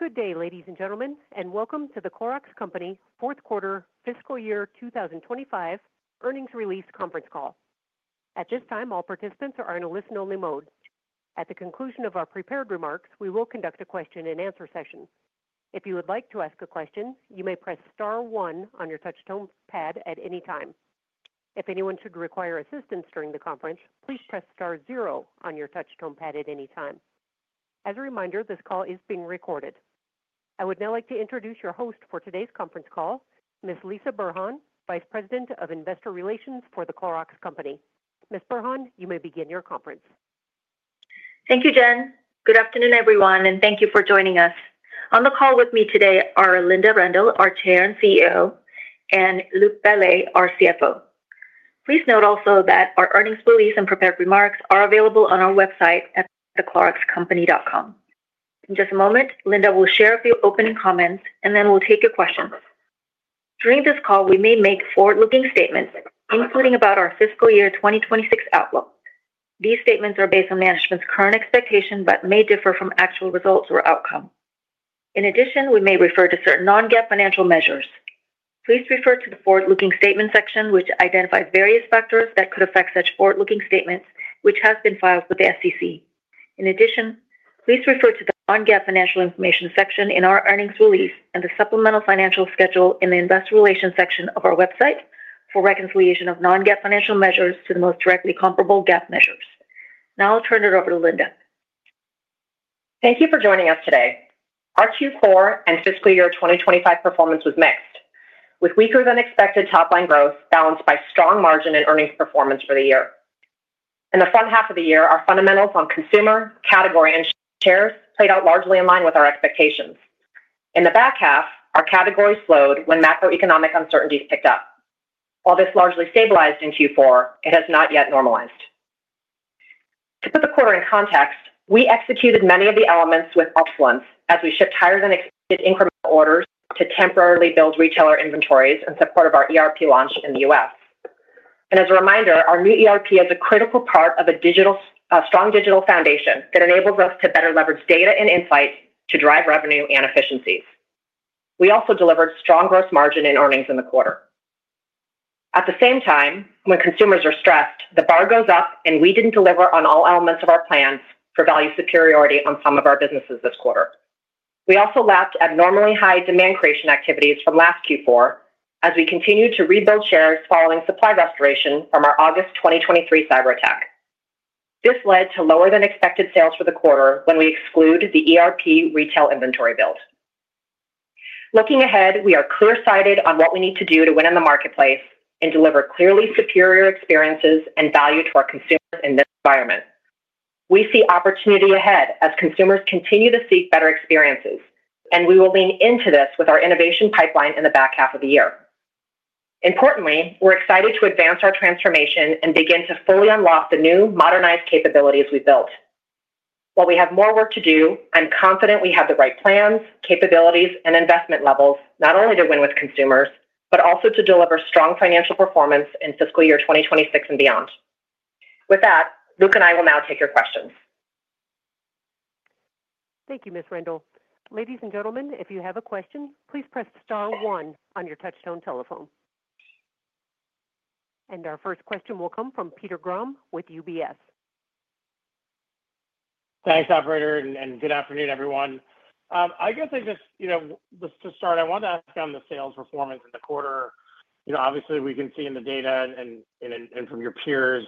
Good day, ladies and gentlemen, and welcome to The Clorox Company Fourth Quarter Fiscal Year 2025 Earnings Release Conference Call. At this time, all participants are in a listen-only mode. At the conclusion of our prepared remarks, we will conduct a question and answer session. If you would like to ask a question, you may press Star one on your touch tone pad at any time. If anyone should require assistance during the conference, please press Star zero on your touch tone pad at any time. As a reminder, this call is being recorded. I would now like to introduce your host for today's conference call, Ms. Lisah Burhan, Vice President of Investor Relations for The Clorox Company. Ms. Burhan, you may begin your conference. Thank you, Jen. Good afternoon, everyone, and thank you for joining us on the call with me today are Linda Rendle, our Chair and CEO, and Luc Bellet, our CFO. Please note also that our earnings release and prepared remarks are available on our website at thecloroxcompany.com. In just a moment, Linda will share a few opening comments and then we'll take your questions. During this call, we may make forward-looking statements, including about our fiscal year 2026 outlook. These statements are based on management's current expectation but may differ from actual results or outcome. In addition, we may refer to certain non-GAAP financial measures. Please refer to the Forward-Looking Statements section, which identifies various factors that could affect such forward-looking statements, which has been filed with the SEC. In addition, please refer to the Non-GAAP Financial Information section in our earnings release and the Supplemental Financial Schedule in the Investor Relations section of our website for reconciliation of non-GAAP financial measures to the most directly comparable GAAP measures. Now I'll turn it over to Linda. Thank you for joining us today. Our Q4 and fiscal year 2025 performance was mixed, with weaker than expected top-line growth balanced by strong margin and earnings performance for the year. In the front half of the year, our fundamentals on consumer category and shares played out largely in line with our expectations. In the back half, our category slowed when macroeconomic uncertainties picked up. While this largely stabilized in Q4, it has not yet normalized. To put the quarter in context, we executed many of the elements with excellence as we shipped higher than expected incremental orders to temporarily build retailer inventories in support of our ERP launch in the U.S., and as a reminder, our new ERP is a critical part of a strong digital foundation that enables us to better leverage data and insights to drive revenue and efficiencies. We also delivered strong gross margin and earnings in the quarter. At the same time, when consumers are stressed, the bar goes up and we didn't deliver on all elements of our plans for value superiority on some of our businesses this quarter. We also lapped abnormally high demand creation activities from last Q4 as we continue to rebuild shares following supply restoration from our August 2023 cyberattack. This led to lower than expected sales for the quarter when we exclude the ERP retail inventory build. Looking ahead, we are clear-sighted on what we need to do to win in the marketplace and deliver clearly superior experiences and value to our consumers. In this environment, we see opportunity ahead as consumers continue to seek better experiences and we will lean into this with our innovation pipeline in the back half of the year. Importantly, we're excited to advance our transformation and begin to fully unlock the new modernized capabilities we've built. While we have more work to do, I'm confident we have the right plans, capabilities, and investment levels not only to win with consumers, but also to deliver strong financial performance in fiscal year 2026 and beyond. With that, Luc and I will now take your questions. Thank you, Ms. Rendle. Ladies and gentlemen, if you have a question, please press Star one on your touchtone telephone and our first question will come from Peter Grom with UBS. Thanks, operator, and good afternoon everyone. I wanted to ask on the sales performance in the quarter, obviously we can see in the Data and from your peers,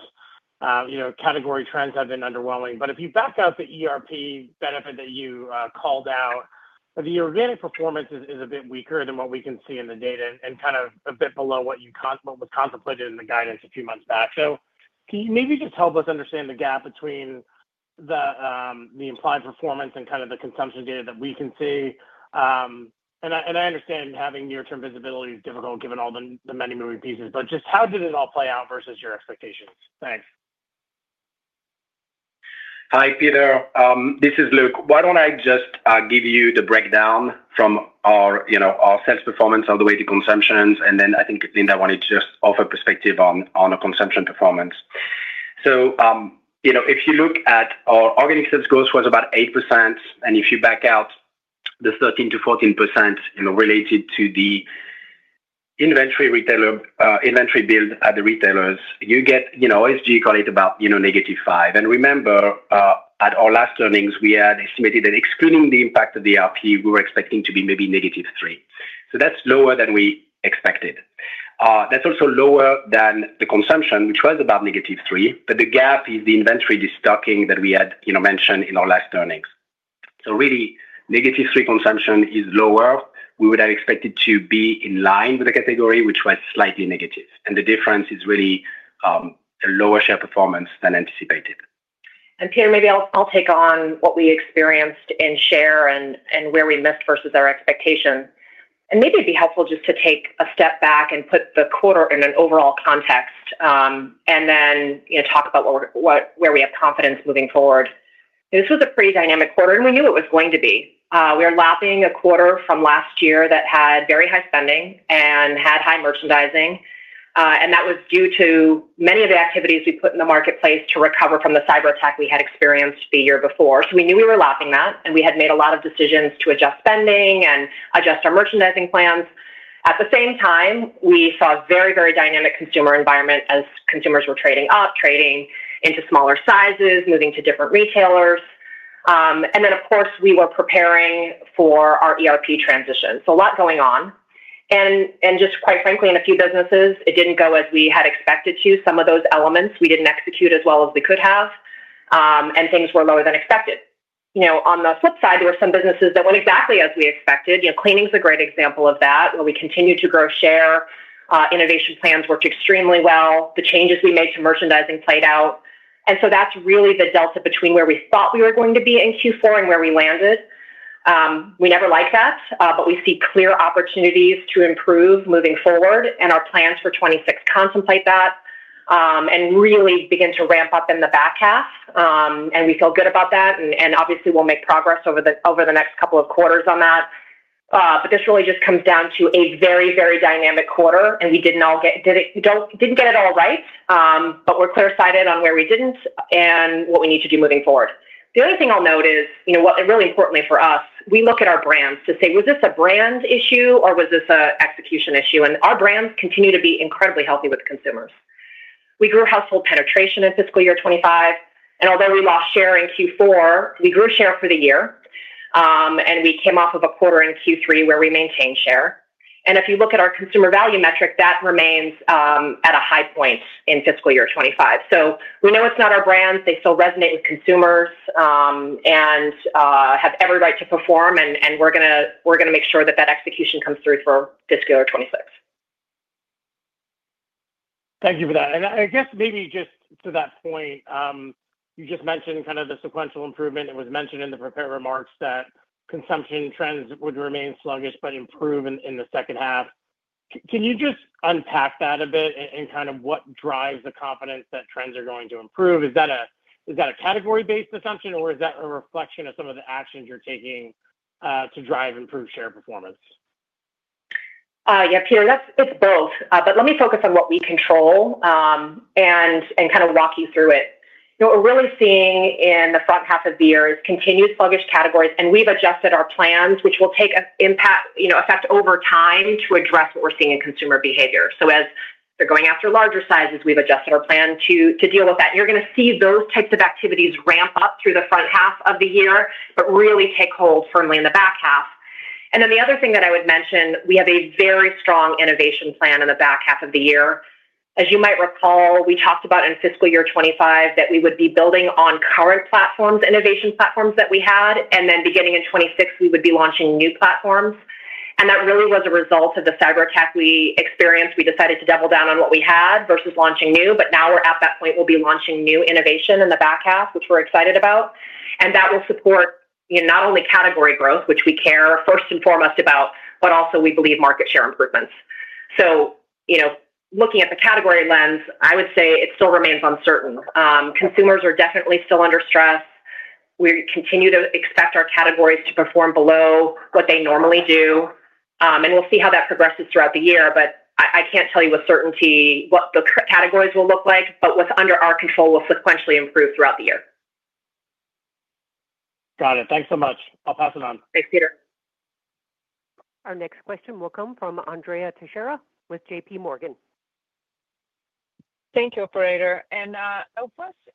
you know, category trends have been underwhelming, but if you back out the ERP benefit. You called out the organic performance is. A bit weaker than what we can see in the data, and kind of a bit below what you contemplated in the guidance a few months back. Can you maybe just help us? Understand the gap between the implied performance and kind of the consumption data that we can see. I understand having near term visibility is difficult given all the many moving pieces, but just how did it all play out versus your expectations? Thanks. Hi Peter, this is Luc. Why don't I just give you the breakdown from our sales performance all the way to consumption, and then I think Linda wanted to just offer perspective on consumption performance. If you look at our organic sales growth, it was about 8%, and if you back out the 13%-14% related to the retailer inventory build, you get, call it about -5%. Remember at our last earnings, we had estimated that excluding the impact of the ERP, we were expecting to be maybe -3%. That's lower than we expected. That's also lower than the consumption, which was about -3%. The gap is the inventory destocking that we had mentioned in our last earnings, -3% consumption is lower. We would have expected to be in line with the category, which was slightly negative. The difference is really a lower share performance than anticipated. Peter, maybe I'll take on what we experienced in share and where we missed versus our expectations. Maybe it'd be helpful just to take a step back and put the quarter in an overall context and then talk about where we have confidence moving forward. This was a pretty dynamic quarter and we knew it was going to be. We are lapping a quarter from last year that had very high spending and had high merchandising, and that was due to many of the activities we put in the marketplace to recover from the cyberattack we had experienced the year before. We knew we were lapping that and we had made a lot of decisions to adjust spending and adjust our merchandising plans. At the same time, we saw a very, very dynamic consumer environment as consumers were trading up, trading into smaller sizes, moving to different retailers. Of course, we were preparing for our ERP transition. A lot was going on and, quite frankly, in a few businesses it didn't go as we had expected due to some of those elements. We didn't execute as well as we could have and things were lower than expected. On the flip side, there were some businesses that went exactly as we expected. Cleaning is a great example of that where we continue to grow. Share innovation plans worked extremely well. The changes we made to merchandising played out and that's really the delta between where we thought we were going to be in Q4 and where we landed. We never like that, but we see clear opportunities to improve moving forward and our plans for 2026 contemplate that and really begin to ramp up in the back half. We feel good about that and obviously we'll make progress over the next couple of quarters on that. This really just comes down to a very, very dynamic quarter and we didn't get it all right, but we're clear sighted on where we didn't and what we need to do moving. The other thing I'll note is, really importantly for us, we look at our brands to say was this a brand issue or was this an execution issue? Our brands continue to be incredibly healthy with consumers. We grew Household penetration in fiscal year 2025. Although we lost share in Q4, we grew share for the year and we came off of a quarter in Q3 where we maintained share. If you look at our consumer value metric, that remains at a high point in fiscal year 2025. We know it's not our brands. They still resonate with consumers and have every right to perform. We're going to make sure that execution comes through for fiscal year 2026. Thank you for that. I guess maybe just to that point, you just mentioned kind of the sequential improvement. It was mentioned in the prepared remarks that consumption trends would remain sluggish. Improve in the second half. Can you just unpack that a bit and kind of what drives the confidence that trends are going to improve? Is that a category? Is that a reflection of some of the actions you're taking to drive improved share performance? Yeah, Peter, it's both. Let me focus on what we control and walk you through it. What we're really seeing in the front half of the year is continued sluggish categories. We've adjusted our plans, which will take effect over time, to address what we're seeing in consumer behavior. As they're going after larger sizes, we've adjusted our plan to deal with that. You're going to see those types of activities ramp up through the front half of the year, but really take hold firmly in the back half. The other thing that I would mention, we have a very strong innovation plan in the back half of the year. As you might recall, we talked about in fiscal year 2025 that we would be building on current innovation platforms that we had. Beginning in 2026, we would be launching new platforms. That really was a result of the cyberattack we experienced. We decided to double down on what we had versus launching new. Now we're at that point. We'll be launching new innovation in the back half, which we're excited about. That will support not only category growth, which we care first and foremost about, but also we believe market share improvements. Looking at the category lens, I would say it still remains uncertain. Consumers are definitely still under stress. We continue to expect our categories to perform below what they normally do, and we'll see how that progresses throughout the year. I can't tell you with certainty what the categories will look like, but what's under our control will sequentially improve throughout the year. Got it. Thanks so much. I'll pass it on. Thanks, Peter. Our next question will come from Andrea Teixeira with JPMorgan. Thank you, operator. I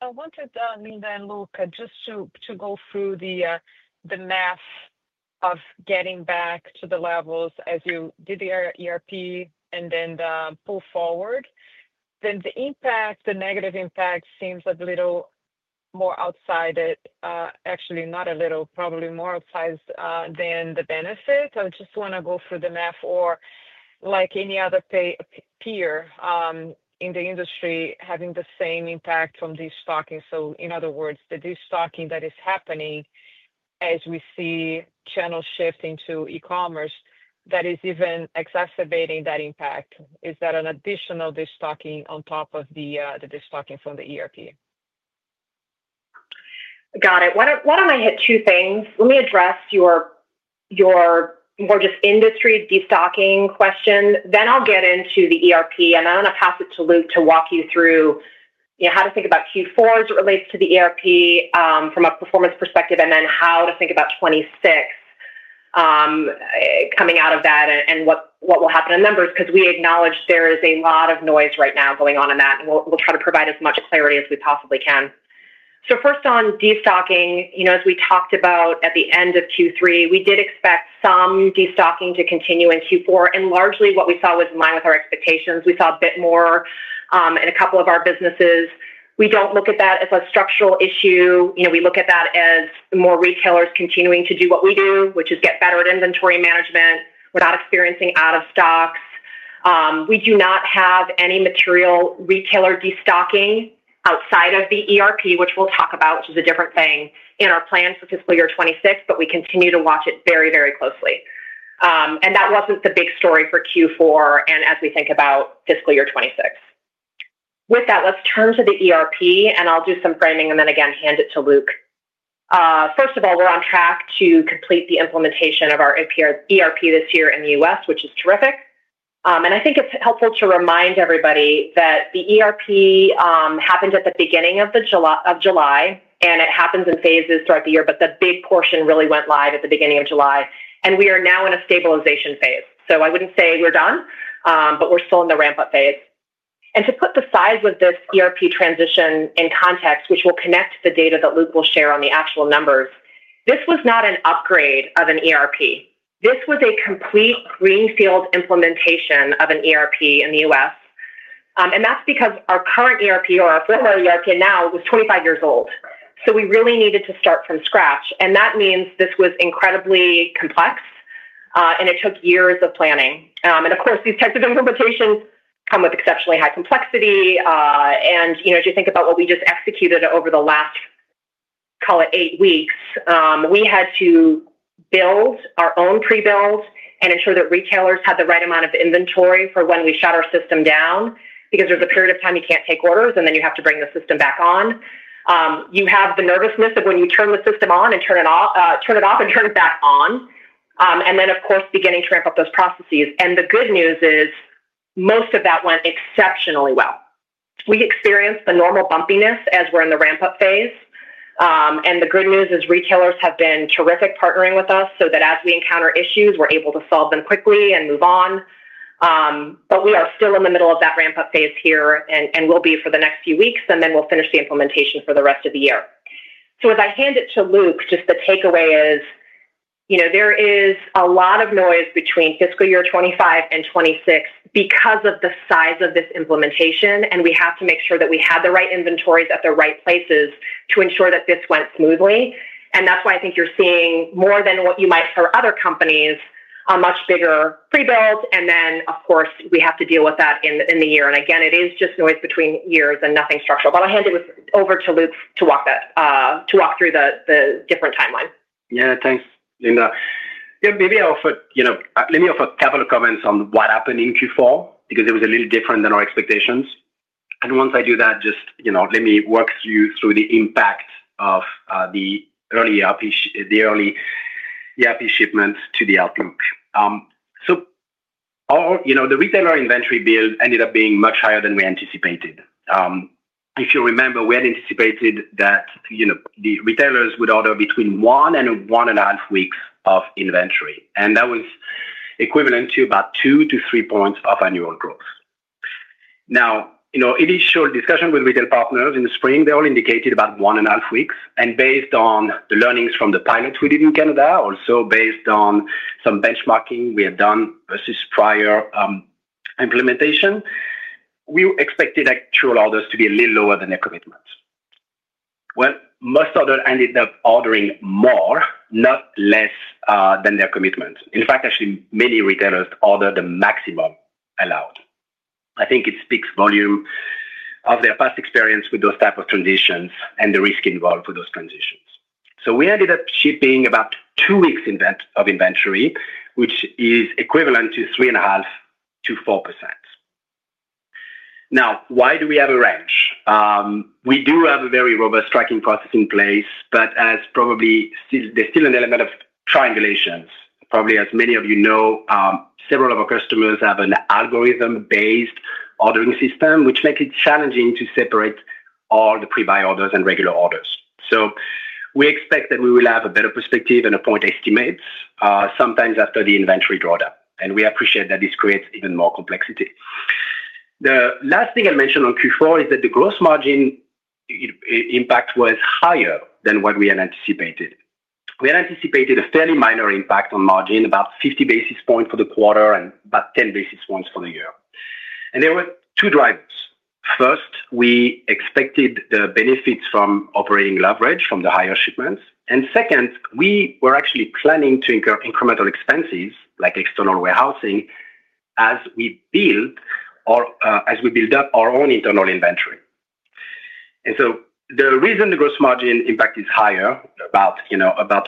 wanted Linda and Luc to go through the math of getting back to the levels as you did the ERP and then pull forward. The impact, the negative impact seems a little more outside. Actually, not a little. Probably more sized than the benefit. I just want to go through the math or like any other peer in the industry, having the same impact from destocking. In other words, the destocking that is happening as we see channel shift into e-commerce, that is even exacerbating that impact, is that an additional destocking on top of the destocking from the ERP? Got it. Why don't I hit two things? Let me address your more just industry destocking question, then I'll get into the ERP and I'm going to pass it to Luc to walk you through how to think about Q4 as it relates to the ERP from a performance perspective and then how to think about 2026 coming out of that and what will happen in numbers, because we acknowledge there is a lot of noise right now going on in that. We'll try to provide as much clarity as we possibly can. First on destocking, as we talked about at the end of Q3, we did expect some destocking to continue in Q4, and largely what we saw was in line with our expectations. We saw a bit more in a couple of our businesses. We don't look at that as a structural issue. We look at that as more retailers continuing to do what we do, which is get better at inventory management. We're not experiencing out of stocks. We do not have any material retailer destocking outside of the ERP, which we'll talk about, which is a different thing in our plan for fiscal year 2026. We continue to watch it very, very closely. That wasn't the big story for Q4. As we think about fiscal year 2026, with that, let's turn to the ERP and I'll do some framing. Then again, hand it to Luc. First of all, we're on track to complete the implementation of our ERP this year in the U.S., which is terrific. I think it's helpful to remind everybody that the ERP happened at the beginning of July and it happens in phases throughout the year. The big portion really went live at the beginning of July, and we are now in a stabilization phase. I wouldn't say we're done, but we're still in the ramp up phase. To put the size of this ERP transition in context, which will connect the data that Luc will share on the actual numbers, this was not an upgrade of an ERP. This was a complete greenfield implementation of an ERP in the U.S., and that's because our current ERP, or our former ERP now, was 25 years old. We really needed to start from scratch. That means this was incredibly complex, and it took years of planning. Of course, these types of implementations come with exceptionally high complexity. If you think about what we just executed over the last, call it, eight weeks, we had to build our own pre-build and ensure that retailers had the right amount of inventory for when we shut our system down. There is a period of time you can't take orders, and then you have to bring the system back on. You have the nervousness of when you turn the system off and turn it back on, and then, of course, beginning to ramp up those processes. The good news is most of that went exceptionally well. We experienced the normal bumpiness as we're in the ramp-up phase. The good news is retailers have been terrific partnering with us so that as we encounter issues, we're able to solve them quickly and move on. We are still in the middle of that ramp-up phase here and will be for the next few weeks, and then we'll finish the implementation for the rest of the year. As I hand it to Luc, just the takeaway is, you know, there is a lot of noise between fiscal year 2025 and 2026 because of the size of this implementation. We have to make sure that we have the right inventories at the right places to ensure that this went smoothly. That's why I think you're seeing more than what you might for other companies, a much bigger pre-build. Then, of course, we have to deal with that in the year. Again, it is just noise between years and nothing structural. I'll hand it over to Luc to walk through the different timeline. Yeah, thanks Linda. Maybe I offer, you know, let me offer a couple of comments on what happened in Q4 because it was a little different than our expectations. Once I do that, just, you know, let me work you through the impact of the early ERP shipments to the outlook. The retailer inventory build ended up being much higher than we anticipated. If you remember, we had anticipated that the retailers would order between one and one and a half weeks of inventory and that was equivalent to about 2-3 points of annual growth. In our initial discussion with retail partners in the spring, they all indicated about one and a half weeks. Based on the learnings from the pilots we did in Canada, also based on some benchmarking we had done versus prior implementation, we expected actual orders to be a little lower than their commitments. Most orders ended up ordering more, not less than their commitment. In fact, actually many retailers ordered the maximum allowed. I think it speaks volumes of their past experience with those types of transitions and the risk involved with those transitions. We ended up shipping about two weeks of inventory, which is equivalent to 3.5 to 4%. Now, why do we have a range? We do have a very robust tracking process in place, but as probably there's still an element of triangulation. As many of you know, several of our customers have an algorithm-based ordering system which makes it challenging to separate all the pre-buy orders and regular orders. We expect that we will have a better perspective and a point estimate sometime after the inventory drawdown. We appreciate that this creates even more complexity. The last thing I'll mention on Q4 is that the gross margin impact was higher than what we had anticipated. We had anticipated a fairly minor impact on margin, about 50 basis points for the quarter and about 10 basis points for the year. There were two drivers. First, we expected the benefits from operating leverage from the higher shipments. Second, we were actually planning to incur incremental expenses like external warehousing as we build up our own internal inventory. The reason the gross margin impact is higher, about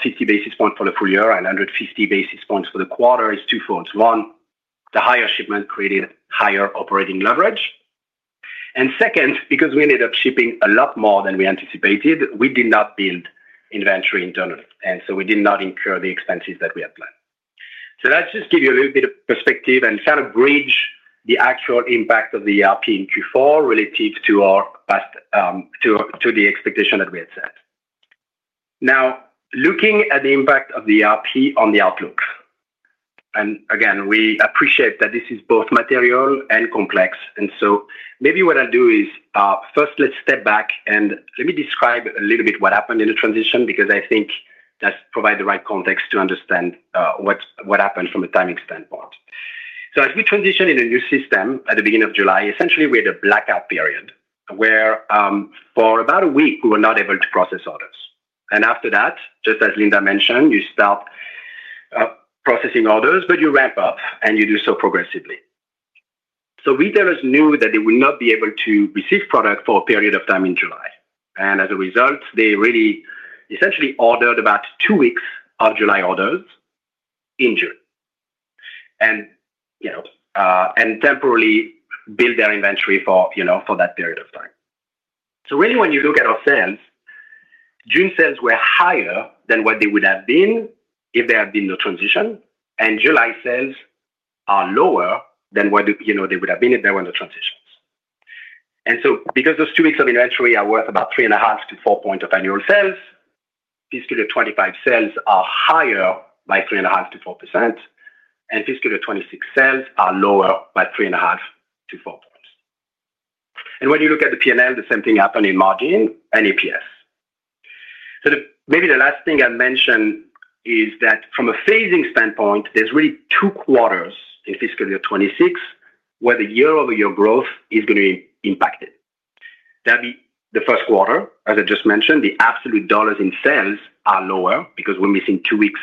50 basis points for the full year and 150 basis points for the quarter, is twofold. One, the higher shipment created higher operating leverage. Second, because we ended up shipping a lot more than we anticipated, we did not build inventory internally, and we did not incur the expenses that we had planned. Let's just give you a little bit of perspective and kind of bridge the actual impact of the ERP in Q4 relative to our past to the expectation that we had set. Now, looking at the impact of the ERP on the outlook, we appreciate that this is both material and complex. Maybe what I'll do is first, let's step back and let me describe a little bit what happened in the transition, because I think that provides the right context to understand what happened from a timing standpoint. As we transition in a new system at the beginning of July, essentially we had a blackout period where for about a week we were not able to process orders. After that, just as Linda Rendle mentioned, you start processing orders but you ramp up and you do so progressively. Retailers knew that they would not be able to receive product for a period of time in July, and as a result they really essentially ordered about two weeks of July orders in June and temporarily built their inventory for that period of time. When you look at our sales, June sales were higher than what they would have been if there had been no transition, and July sales are lower than what you know they would have been if they were in the transition. Because those two weeks of inventory are worth about 3.5-4 points of annual sales, fiscal year 2025 sales are higher by 3.5 to 4% and fiscal year 2026 sales are lower by 3.5-4 points. When you look at the P&L, the same thing happened in margin and EPS. Maybe the last thing I mention is that from a phasing standpoint there's really two quarters in fiscal year 2026 where the year-over-year growth is going to be impacted. The first quarter, as I just mentioned, the absolute dollars in sales are lower because we're missing two weeks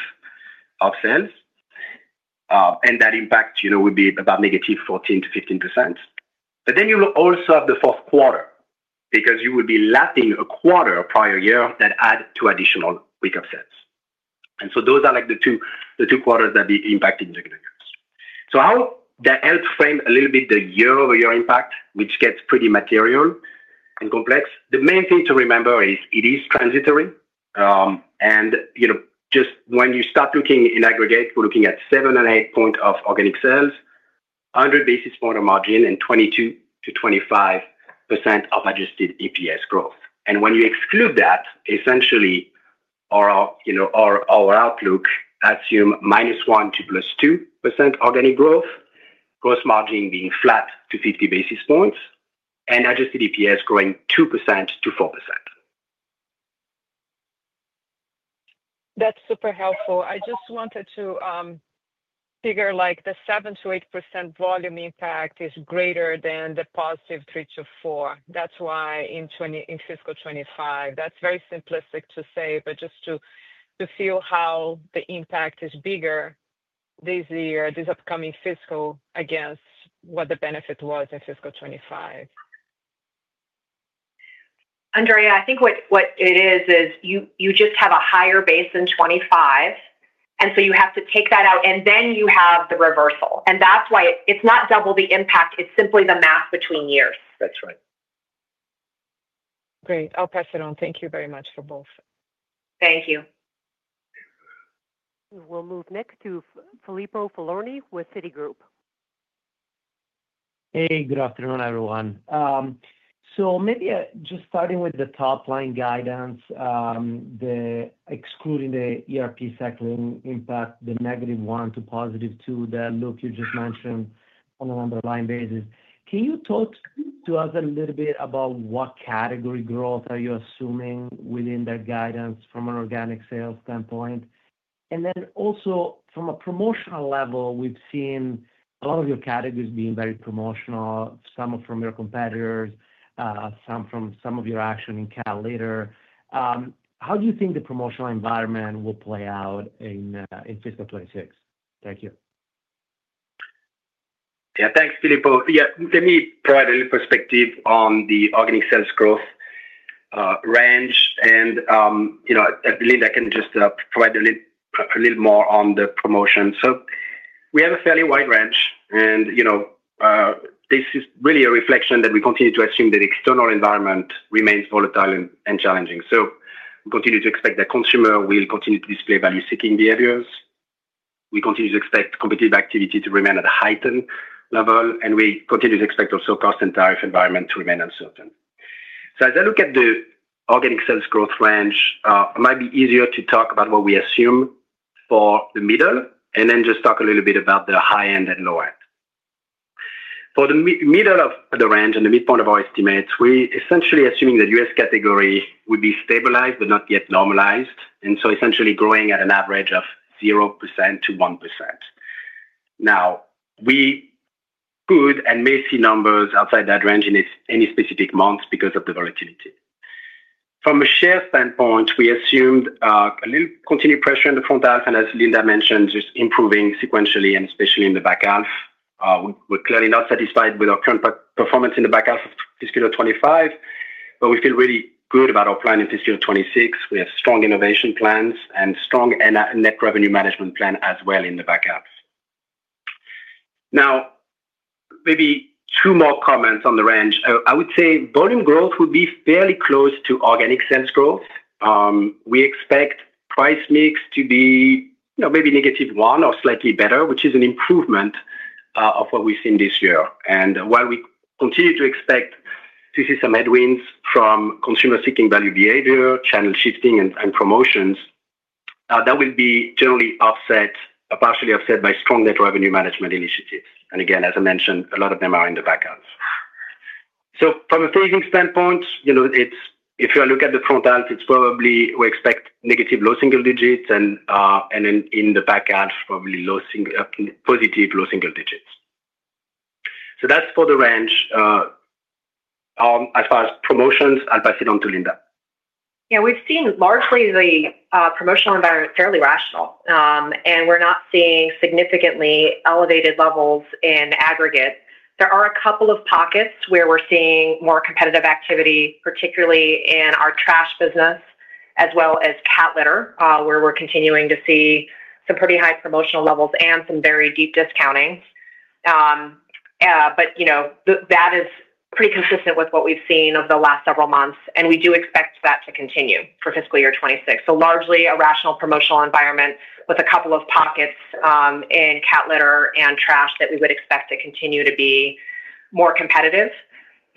of sales and that impact would be about -14 to 15%. You also have the fourth quarter because you will be lapping a quarter prior year that had two additional week offsets. Those are the two quarters that will be impacting. I hope that helps frame a little bit the year-over-year impact, which gets pretty material and complex. The main thing to remember is it is transitory. When you start looking in aggregate, we're looking at 7 and 8 points of organic sales, 100 basis points of margin, and 22%-25% of Adjusted EPS growth. When you exclude that, essentially our outlook assumes -1% to +2% organic growth, gross margin being flat to 50 basis points, and Adjusted EPS growing 2%-4%. That's super helpful. I just wanted to figure like the 7%-8% volume impact is greater than the +3-4. That's why in fiscal 2025 that's very simplistic to say, but just to feel how the impact is bigger this year, this upcoming fiscal against what the benefit was in fiscal 2025. Andrea, I think what it is is you just have a higher base than 2025 and so you have to take that out, and then you have the reversal and that's why it's not double the impact. It's simply the math between years. That's right. Great, I'll pass it on. Thank you very much for both. Thank you. We'll move next to Filippo Falorni with Citigroup. Hey, good afternoon everyone. Maybe just starting with the top line guidance, excluding the ERP cycling impact, the -1% to +2% that you just mentioned on an underlying basis, can you talk to us a little bit about what category growth you are assuming within that guidance from an organic sales standpoint and then also from a promotional level? We've seen a lot of your categories being very promotional. Some are from your competitors, some from some of your action in Cat litter. How do you think the promotional environment will play out in fiscal 2026? Thank you. Yeah, thanks Filippo. Let me provide a little perspective on the organic sales growth range and I can just provide a little more on the promotion. We have a fairly wide range and this is really a reflection that we continue to assume that the external environment remains volatile and challenging. We continue to expect that consumers will continue to display value-seeking behaviors. We continue to expect competitive activity to remain at a heightened level and we continue to expect also cost and tariff environment to remain uncertain. As I look at the organic sales growth range, it might be easier to talk about what we assume for the middle and then just talk a little bit about the high end and low end. For the middle of the range and the midpoint of our estimates, we are essentially assuming that U.S. category would be stabilized but not yet normalized and so essentially growing at an average of 0%-1%. We may see numbers outside that range in any specific month because of the volatility. From a share standpoint, we assumed a little continued pressure in the front half and as Linda mentioned, just improving sequentially and especially in the back half. We're clearly not satisfied with our current performance in the back half of fiscal year 2025, but we feel really good about our plan in fiscal 2026. We have strong innovation plans and strong Net revenue management plan as well in the back half. Maybe two more comments on the range. I would say volume growth would be fairly close to organic sales growth. We expect price mix to be maybe -1% or slightly better, which is an improvement over what we've seen this year. While we continue to expect to see some headwinds from consumers seeking value behavior, channel shifting, and promotions, that will be generally offset, partially offset by strong Net revenue management initiatives. Again, as I mentioned, a lot of them are in the back half. From a phasing standpoint, if you look at the front half, we expect negative low single digits and in the back half, probably positive low single digits. That's for the range as far as promotions. I'll pass it on to Linda. Yeah, we've seen largely the promotional environment fairly rational, and we're not seeing significantly elevated levels in aggregate. There are a couple of pockets where we're seeing more competitive activity, particularly in our trash business, as well as Cat litter, where we're continuing to see some pretty high promotional levels and some very deep discounting. That is pretty consistent with what we've seen over the last several months. We do expect that to continue for fiscal year 2026. Largely a rational promotional environment with a couple of pockets in Cat litter and trash that we would expect to continue to be more competitive.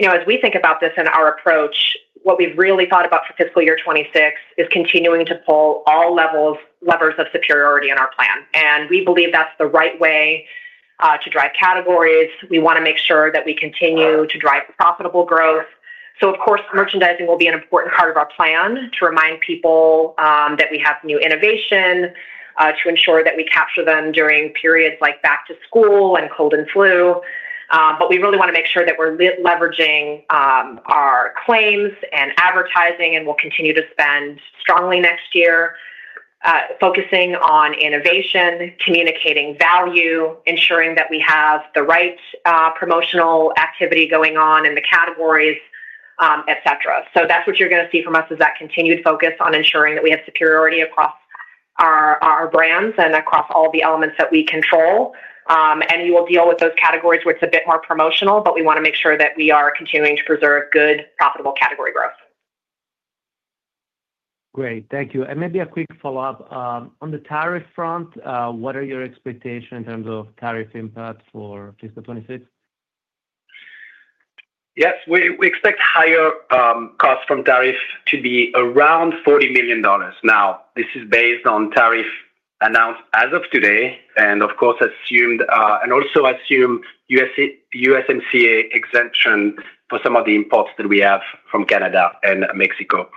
As we think about this in our approach, what we've really thought about for fiscal year 2026 is continuing to pull all levers of superiority in our plan. We believe that's the right way to drive categories. We want to make sure that we continue to drive profitable growth. Of course, merchandising will be an important part of our plan to remind people that we have new innovation to ensure that we capture them during periods like back to school and cold and flu. We really want to make sure that we're leveraging our claims and advertising and we'll continue to spend strongly next year focusing on innovation, communicating value, ensuring that we have the right promotional activity going on in the categories, etc. That's what you're going to see from us is that continued focus on ensuring that we have superiority across our brands and across all the elements that we control. We will deal with those categories where it's a bit more promotional, but we want to make sure that we are continuing to preserve good profitable category growth. Great, thank you. Maybe a quick follow-up on the tariff front. What are your expectations in terms of tariff impact for fiscal 2026? Yes, we expect higher costs from tariff to be around $40 million. This is based on tariff announced as of today and of course also assume USMCA exemption for some of the imports that we have from Canada and Mexico.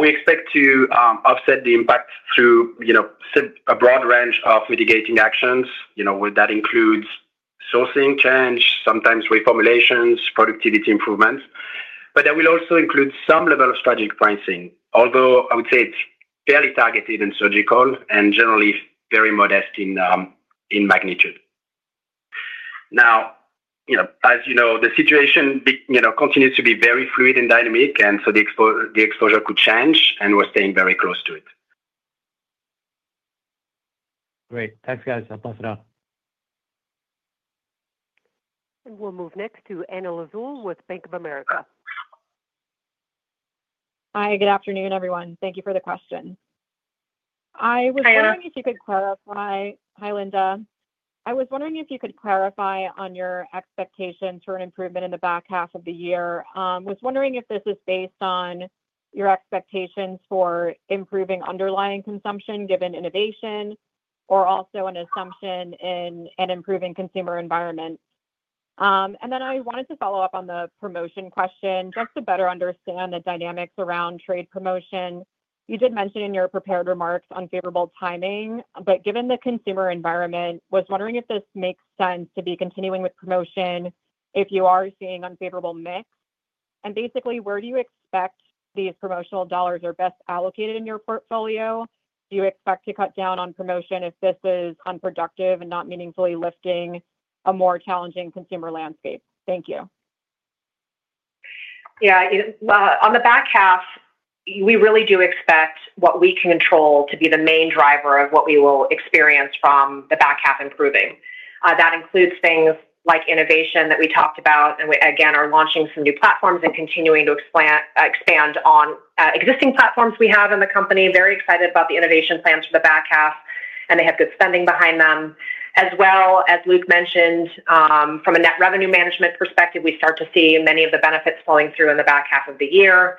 We expect to offset the impact through a broad range of mitigating actions. That includes sourcing change, sometimes reformulations, productivity improvements, but that will also include some level of strategic pricing, although I would say it's fairly targeted and surgical and generally very modest in magnitude. As you know, the situation continues to be very fluid and dynamic, and the exposure could change and we're staying very close to it. Great. Thanks, guys. I'll pass it out. We'll move next to Anna Lizzul with Bank of America. Hi, good afternoon, everyone. Thank you for the question. I was wondering if you could clarify. Hi, Linda. I was wondering if you could clarify on your expectations for an improvement in the back half of the year. Was wondering if this is based on your expectations for improving underlying consumption given innovation or also an assumption in an improving consumer environment. I wanted to follow up on the promotion question just to better understand the dynamics around trade promotion. You did mention in your prepared remarks unfavorable timing, but given the consumer environment, was wondering if this makes sense to be continuing with promotion. If you are seeing unfavorable mix and basically where do you expect these promotional dollars are best allocated in your portfolio? Do you expect to cut down on promotion if this is unproductive and not meaningfully lifting a more challenging consumer landscape? Thank you. Yeah. On the back half, we really do expect what we can control to be the main driver of what we will experience from the back half improving. That includes things like innovation that we talked about and again are launching some new platforms and continuing to expand on existing platforms. We have in the company very excited about the innovation plans for the back half and they have good spending behind them as well. As Luc mentioned, from a Net revenue management perspective, we start to see many of the benefits flowing through in the back half of the year.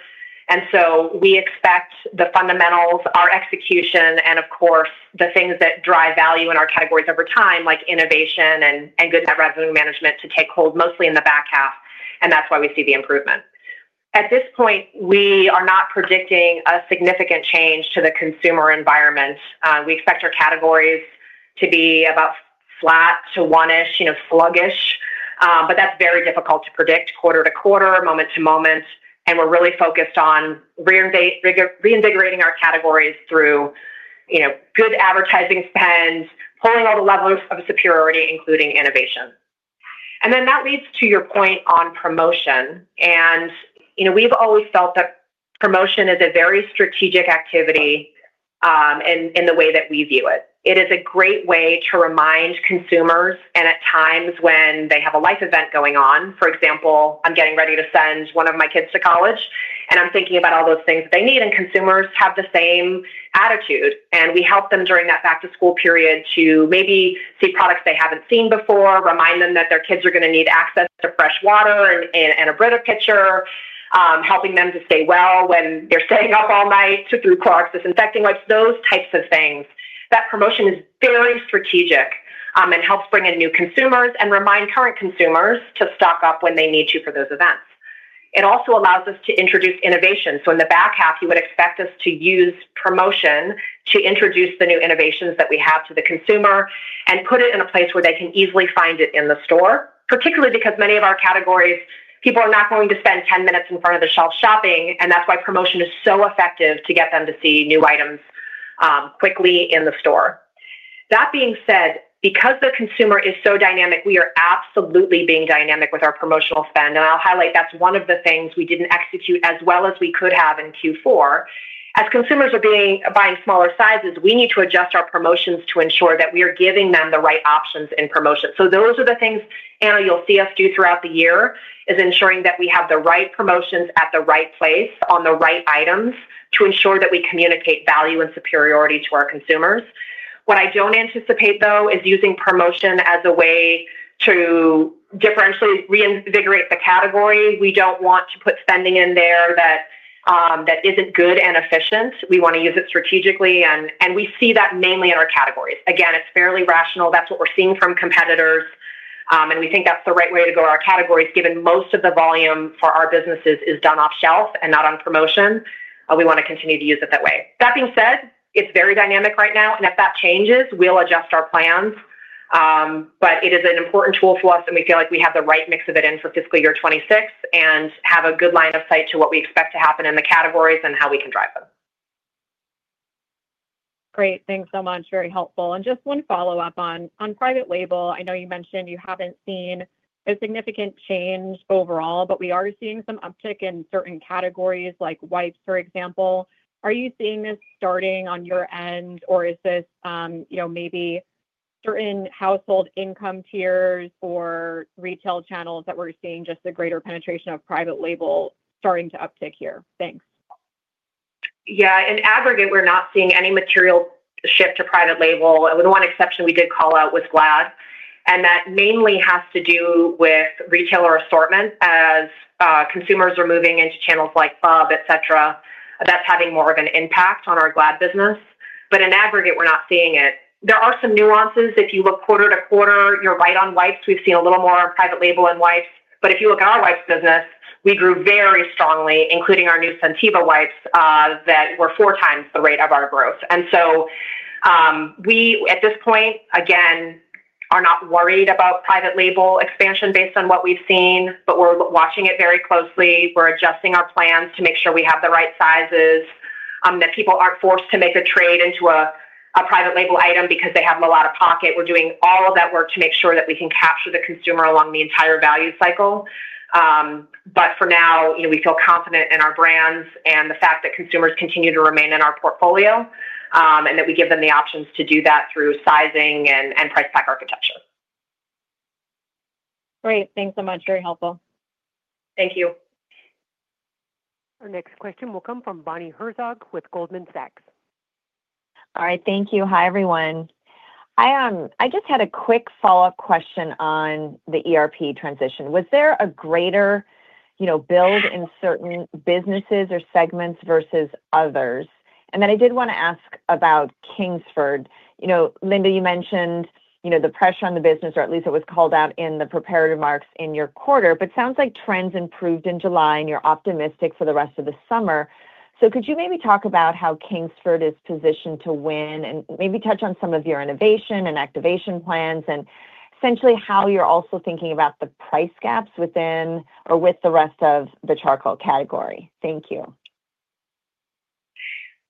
We expect the fundamentals, our execution and of course the things that drive value in our categories over time like innovation and good Net revenue management to take hold mostly in the back half. That's why we see the improvement. At this point, we are not predicting a significant change to the consumer environment. We expect our categories to be about 4% flat to 1%ish, you know, sluggish. That's very difficult to predict quarter to quarter, moment to moment. We're really focused on reinvigorating our categories through, you know, good advertising spend, pulling all the levers of superiority, including innovation. That leads to your point on promotion. You know, we've always felt that promotion is a very strategic activity in the way that we view it. It is a great way to remind consumers and at times when they have a life event going on. For example, I'm getting ready to send one of my kids to college and I'm thinking about all those things that they need. Consumers have the same attitude and we help them during that back to school period to maybe see products they haven't seen before, remind them that their kids are going to need access to fresh water and a Brita pitcher, helping them to stay well when they're staying up all night to do Clorox Disinfecting Wipes, those types of things. That promotion is very strategic and helps bring in new consumers and remind current consumers to stock up when they need to for those events. It also allows us to introduce innovation. In the back half you would expect us to use promotion to introduce the new innovations that we have to the consumer and put it in a place where they can easily find it in the store. Particularly because many of our categories people are not going to spend 10 minutes in front of the shelf shopping. That's why promotion is so effective, to get them to see new items quickly in the store. That being said, because the consumer is so dynamic, we are absolutely being dynamic with our promotional spend. I'll highlight that's one of the things we didn't execute as well as we could have in Q4. As consumers are buying smaller sizes, we need to adjust our promotions to ensure that we are giving them the right options in promotion. Those are the things, Anna, you'll see us do throughout the year, ensuring that we have the right promotions at the right place on the right items to ensure that we communicate value and superiority to our consumers. What I don't anticipate though is using promotion as a way to differentiate, reinvigorate the category. We don't want to put spending in there that isn't good and efficient. We want to use it strategically and we see that mainly in our categories. Again, it's fairly rational. That's what we're seeing from competitors and we think that's the right way to go. Our categories, given most of the volume for our businesses is done off shelf and not on promotion, we want to continue to use it that way. That being said, it's very dynamic right now and if that changes, we'll adjust our plans. It is an important tool for us and we feel like we have the right mix of it in for fiscal year 2026 and have a good line of sight to what we expect to happen in the categories and how we can drive them. Great. Thanks so much. Very helpful. Just one follow up on Private Label. I know you mentioned you haven't seen a significant change overall, but we are seeing some uptick in certain categories like wipes, for example. Are you seeing this starting on your end, or is this, you know, maybe certain Household income tiers or retail channels that we're seeing just the greater penetration of private label starting to uptick here? Thanks. Yeah. In aggregate, we're not seeing any material shift to private label. One exception we did call out was Glad, and that mainly has to do with retailer assortment. As consumers are moving into channels like club, et cetera, that's having more of an impact on our Glad business. In aggregate, we're not seeing it. There are some nuances. If you look quarter to quarter, you're right on wipes. We've seen a little more private label in wipes, but if you look at our wipes business, we grew very strongly, including our new Scentiva wipes that were four times the rate of our growth. At this point, again, we are not worried about private label expansion based on what we've seen, but we're watching it very closely. We're adjusting our plans to make sure we have the right sizes, that people aren't forced to make a trade into a private label item because they have low out of pocket. We're doing all of that work to make sure that we can capture the consumer along the entire value cycle. For now, we feel confident in our brands and the fact that consumers continue to remain in our portfolio and that we give them the options to do that through sizing and price pack architecture. Great, thanks so much. Very helpful. Thank you. Our next question will come from Bonnie Herzog with Goldman Sachs. All right, thank you. Hi everyone. I just had a quick follow-up question on the ERP transition. Was there a greater build in certain businesses or segments versus others? I did want to ask about Kingsford. Linda, you mentioned the pressure on the business, or at least it was called out in the prepared remarks in your quarter. It sounds like trends improved in July and you're optimistic for the rest of the summer. Could you maybe talk about how Kingsford is positioned to win and maybe touch on some of your innovation and activation plans and essentially how you're also thinking about the price gaps within or with the rest of the charcoal category? Thank you.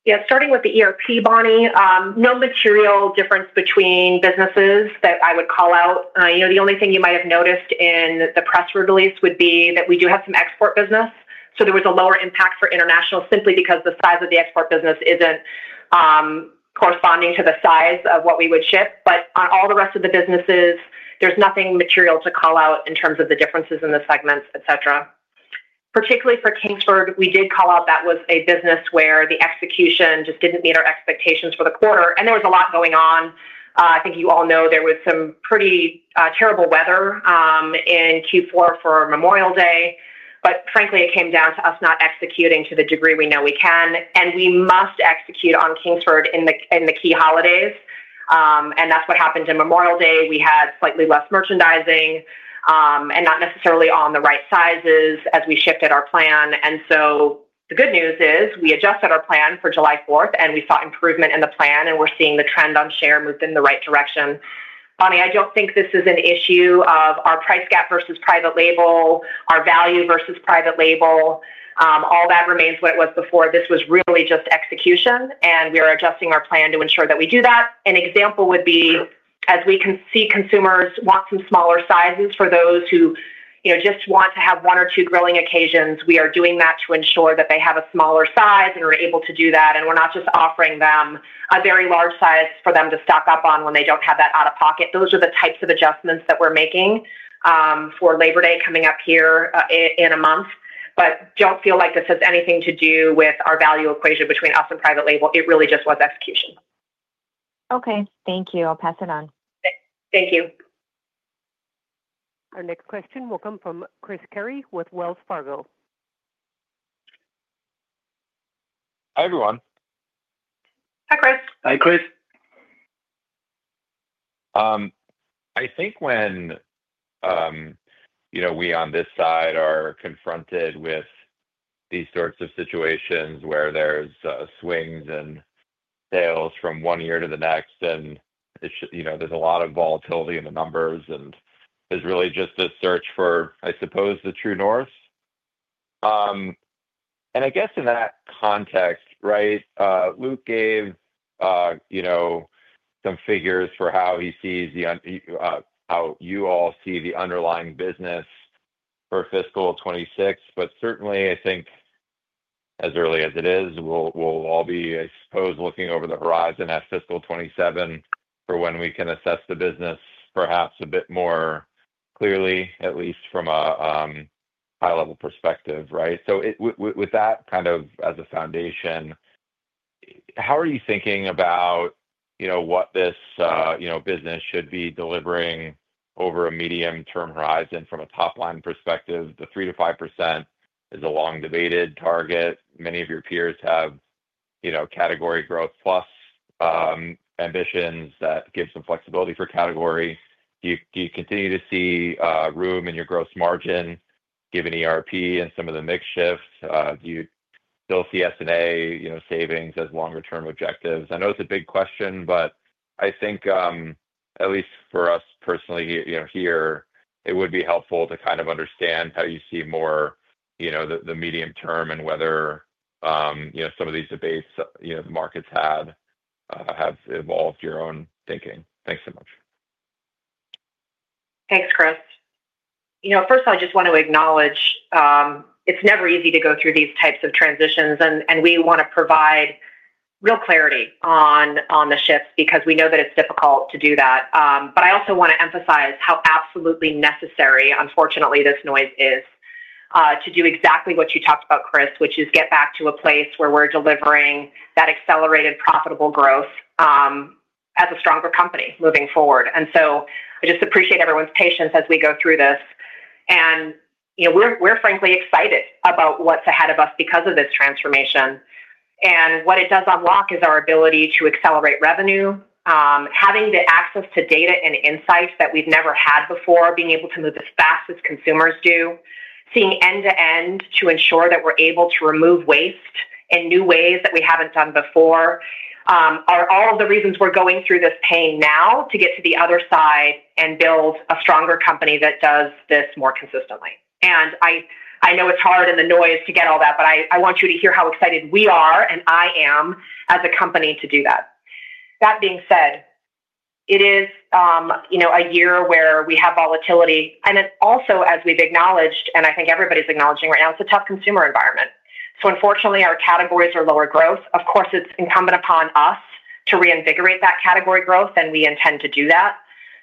Yeah. Starting with the ERP, Bonnie, no material difference between businesses that I would call out. You know, the only thing you might have noticed in the press release would be that we do have some export business. There was a lower impact for international simply because the size of the export business isn't corresponding to the size of what we would ship. On all the rest of the businesses, there's nothing material to call out in terms of the differences in the segments, et cetera. Particularly for Kingsford. We did call out that was a business where the execution just didn't meet our expectations for the quarter and there was a lot going on. I think you all know there was some pretty terrible weather in Q4 for Memorial Day. Frankly, it came down to us not executing to the degree we know we can and we must execute on Kingsford in the key holidays. That's what happened in Memorial Day. We had slightly less merchandising and not necessarily on the right sizes as we shifted our plan. The good news is we adjusted our plan for July 4th and we saw improvement in the plan and we're seeing the trend on share moved in the right direction. Bonnie, I don't think this is an issue of our price gap versus private label, our value versus private label. All that remains what it was before. This was really just execution. We are adjusting our plan to ensure that we do that. An example would be, as we can see, consumers want some smaller sizes for those who just want to have one or two grilling occasions. We are doing that to ensure that they have a smaller size and we're able to do that. We're not just offering them a very large size for them to stock up on when they don't have that out of pocket. Those are the types of adjustments that we're making for Labor Day coming up here in a month. Don't feel like this has anything to do with our value equation between us and private label. It really just was execution. Okay, thank you. I'll pass it on. Thank you. Our next question will come from Chris Carey with Wells Fargo. Hi, everyone. Hi, Chris. Hi, Chris. I think when we on this side are confronted with these sorts of situations where there's swings in sales from one year to the next and there's a lot of volatility in the numbers, there's really just a search for, I suppose, the true north. I guess in that context, right, Luc gave, you know, some figures for how he sees the, how you all see the underlying business for fiscal 2026. Certainly, I think as early as it is, we'll all be, I suppose, looking over the horizon at fiscal 2027 for when we can assess the business perhaps a bit more clearly, at least from a high-level perspective. With that kind of as a foundation, how are you thinking about, you know, what this business should be delivering over a medium-term horizon? From a top-line perspective, the 3%-5% is a long-debated target. Many of your peers have, you know, category growth plus ambitions that give some flexibility for category. Do you continue to see room in your gross margin given ERP and some of the mix shifts? Do you still see SG&A savings as longer-term objectives? I know it's a big question, but I think at least for us personally here, it would be helpful to understand how you see more the medium term and whether some of these debates the market's had have evolved your own thinking. Thanks so much. Thanks, Chris. First, I just want to acknowledge it's never easy to go through these types of transitions, and we want to provide real clarity on the shifts because we know that it's difficult to do that. I also want to emphasize how absolutely necessary, unfortunately, this noise is to do exactly what you talked about, Chris, which is get back to a place where we're delivering that accelerated profitable growth as a stronger company moving forward. I just appreciate everyone's patience as we go through this. We're frankly excited about what's ahead of us because of this transformation. What it does unlock is our ability to accelerate revenue. Having the access to data and insights that we've never had before, being able to move as fast as consumers do, seeing end to end to ensure that we're able to remove waste in new ways that we haven't done before, are all of the reasons we're going through this pain now to get to the other side and build a stronger company that does this more consistently. I know it's hard and the noise to get all that, but I want you to hear how excited we are and I am as a company to do that. That being said, it is a year where we have volatility, and it also, as we've acknowledged and I think everybody's acknowledging right now, it's a tough consumer environment. Unfortunately, our categories are lower growth. Of course, it's incumbent upon us to reinvigorate that category growth. We intend to do that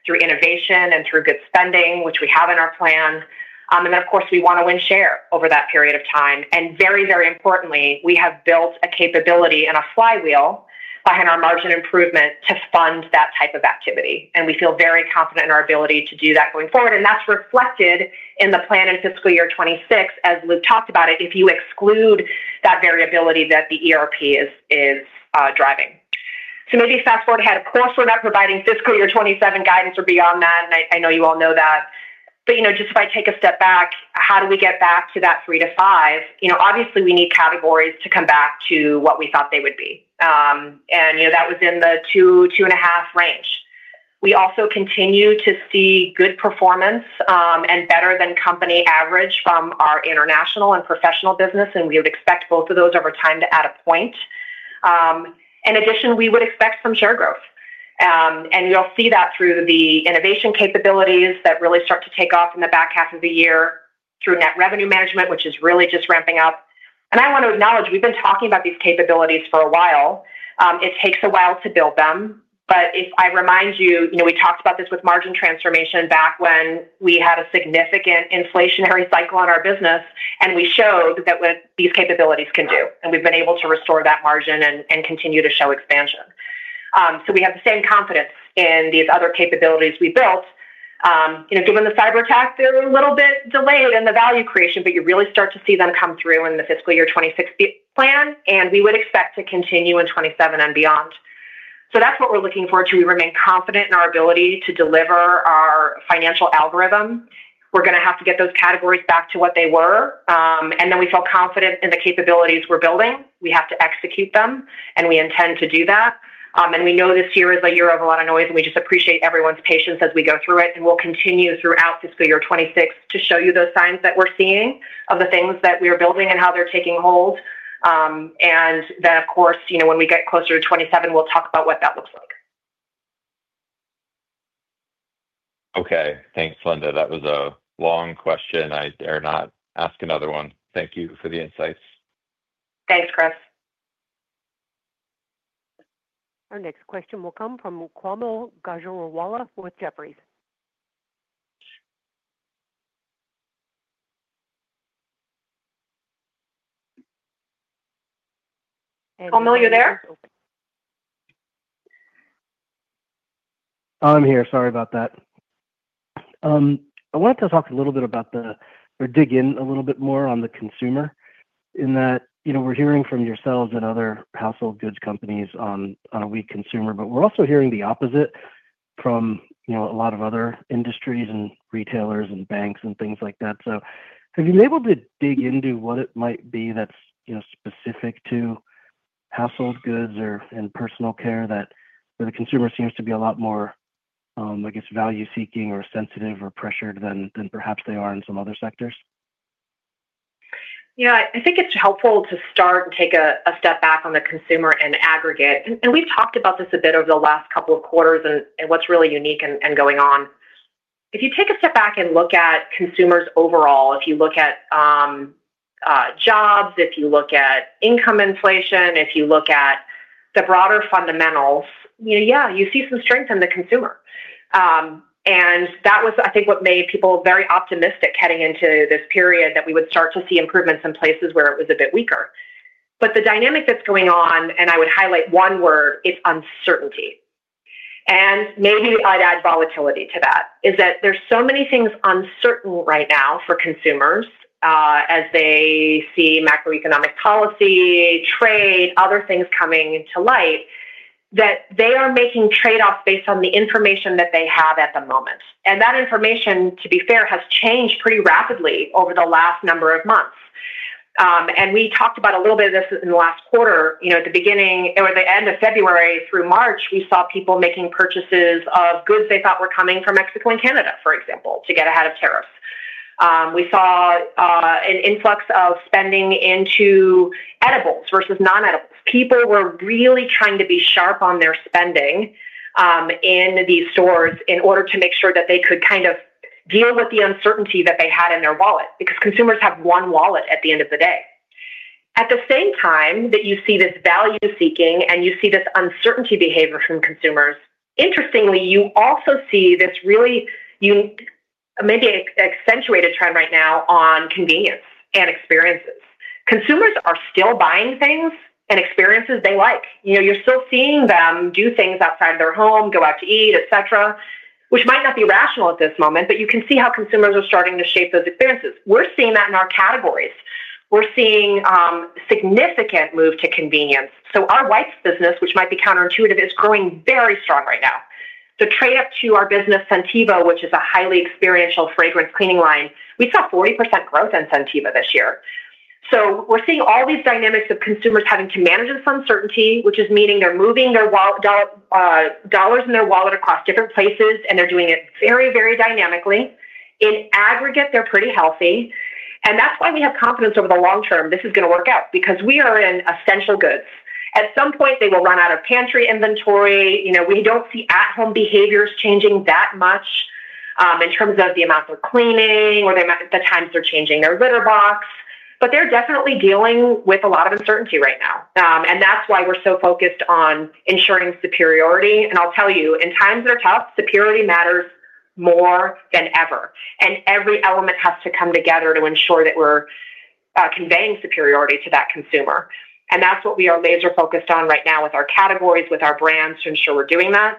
through innovation and through good spending, which we have in our plan. Of course, we want to win share over that period of time. Very, very importantly, we have built a capability and a flywheel behind our margin improvement to fund that type of activity. We feel very confident in our ability to do that going forward. That's reflected in the plan in fiscal year 2026, as Luc talked about it, if you exclude that variability that the ERP is driving. Maybe fast forward ahead, of course, we're not providing fiscal year 2027 guidance or beyond that, and I know you all know that. If I take a step back, how do we get back to that three to five? Obviously, we need categories to come back to what we thought they would be, and that was in the 2-2.5 range. We also continue to see good performance and better than company average from our international and professional business, and we would expect both of those over time to add a point. In addition, we would expect from share growth, and you'll see that through the innovation capabilities that really start to take off in the back half of the year through Net revenue management, which is really just ramping up. I want to acknowledge we've been talking about these capabilities for a while. It takes a while to build them. If I remind you, we talked about this with margin transformation back when we had a significant inflationary cycle on our business and we showed what these capabilities can do, and we've been able to restore that margin and continue to show expansion. We have the same confidence in these other capabilities we built. Given the cyberattack, they're a little bit delayed in the value creation, but you really start to see them come back through in the fiscal year 2026 plan. We would expect to continue in 2027 and beyond. That's what we're looking forward to. We remain confident in our ability to deliver our financial algorithm. We're going to have to get those categories back to what they were. We felt confident in the capabilities we're building. We have to execute them, and we intend to do that. We know this year is a year of a lot of noise and we just appreciate everyone's patience as we go through it. We'll continue throughout fiscal year 2026 to show you those signs that we're seeing of the things that we are building and how they're taking hold. Of course, you know, when we get closer to 2027, we'll talk about what that looks like. Okay. Thanks, Linda. That was a long question. I dare not ask another one. Thank you for the insights. Thanks, Chris. Our next question will come from Kaumil Gajrawala with Jefferies. Kaumil, you're there. I'm here. Sorry about that. I wanted to talk a little bit about the. Dig in a little bit more on the consumer in that, you know, we're hearing from yourselves and other Household goods companies on a weak consumer, but we're also hearing the opposite from a lot of other industries and retailers and banks and things like that. Have you been able to dig into what it might be that's specific to Household goods or in personal care, where the consumer seems to be a lot more, I guess, value seeking? Or sensitive or pressured than perhaps they are in some other sectors? Yeah, I think it's helpful to start and take a step back on the consumer in aggregate. We've talked about this a bit over the last couple of quarters and what's really unique and going on. If you take a step back and look at consumers overall, if you look at jobs, if you look at income, inflation, if you look at the broader fundamentals, you see some strength in the consumer. That was, I think, what made people very optimistic heading into this period, that we would start to see improvements in places where it was a bit weaker. The dynamic that's going on, and I would highlight one word, it's uncertainty. Maybe I'd add volatility to that, is that there's so many things uncertain right now for consumers as they see macroeconomic policy, trade, other things coming to light, that they are making trade-offs based on the information that they have at the moment. That information, to be fair, has changed pretty rapidly over the last number of months. We talked about a little bit of this in the last quarter. At the beginning or the end of February through March, we saw people making purchases of goods they thought were coming from Mexico and Canada, for example, to get ahead of tariffs. We saw an influx of spending into edibles versus non-edibles. People were really trying to be sharp on their spending in these stores in order to make sure that they could kind of deal with the uncertainty that they had in their wallet, because consumers have one wallet at the end of the day. At the same time that you see this value-seeking and you see this uncertainty behavior from consumers, interestingly, you also see this really maybe accentuated trend right now on convenience and experiences. Consumers are still buying things and experiences they like. You're still seeing them do things outside their home, go out to eat, et cetera, which might not be rational at this moment, but you can see how consumers are starting to shape those experiences. We're seeing that in our categories. We're seeing significant move to convenience. Our wipes business, which might be counterintuitive, is growing very strong right now. The trade up to our business, Scentiva, which is a highly experiential fragrance cleaning line, we saw 40% growth in Scentiva this year. We're seeing all these dynamics of consumers having to manage this uncertainty, which is meaning they're moving their dollars in their wallet across different places. They're doing it very, very dynamically. In aggregate, they're pretty healthy. That's why we have confidence over the long term this is going to work out, because we are in essential goods. At some point, they will run out of pantry inventory. We don't see at-home behaviors changing that much in terms of the amount they're cleaning or the times they're changing their litter box. They're definitely dealing with a lot of uncertainty right now. That's why we're so focused on ensuring superiority. I'll tell you, in times that are tough, superiority matters more than ever. Every element has to come together to ensure that we're conveying superiority to that consumer. That's what we are laser focused on right now with our categories and with our brands to ensure we're doing that.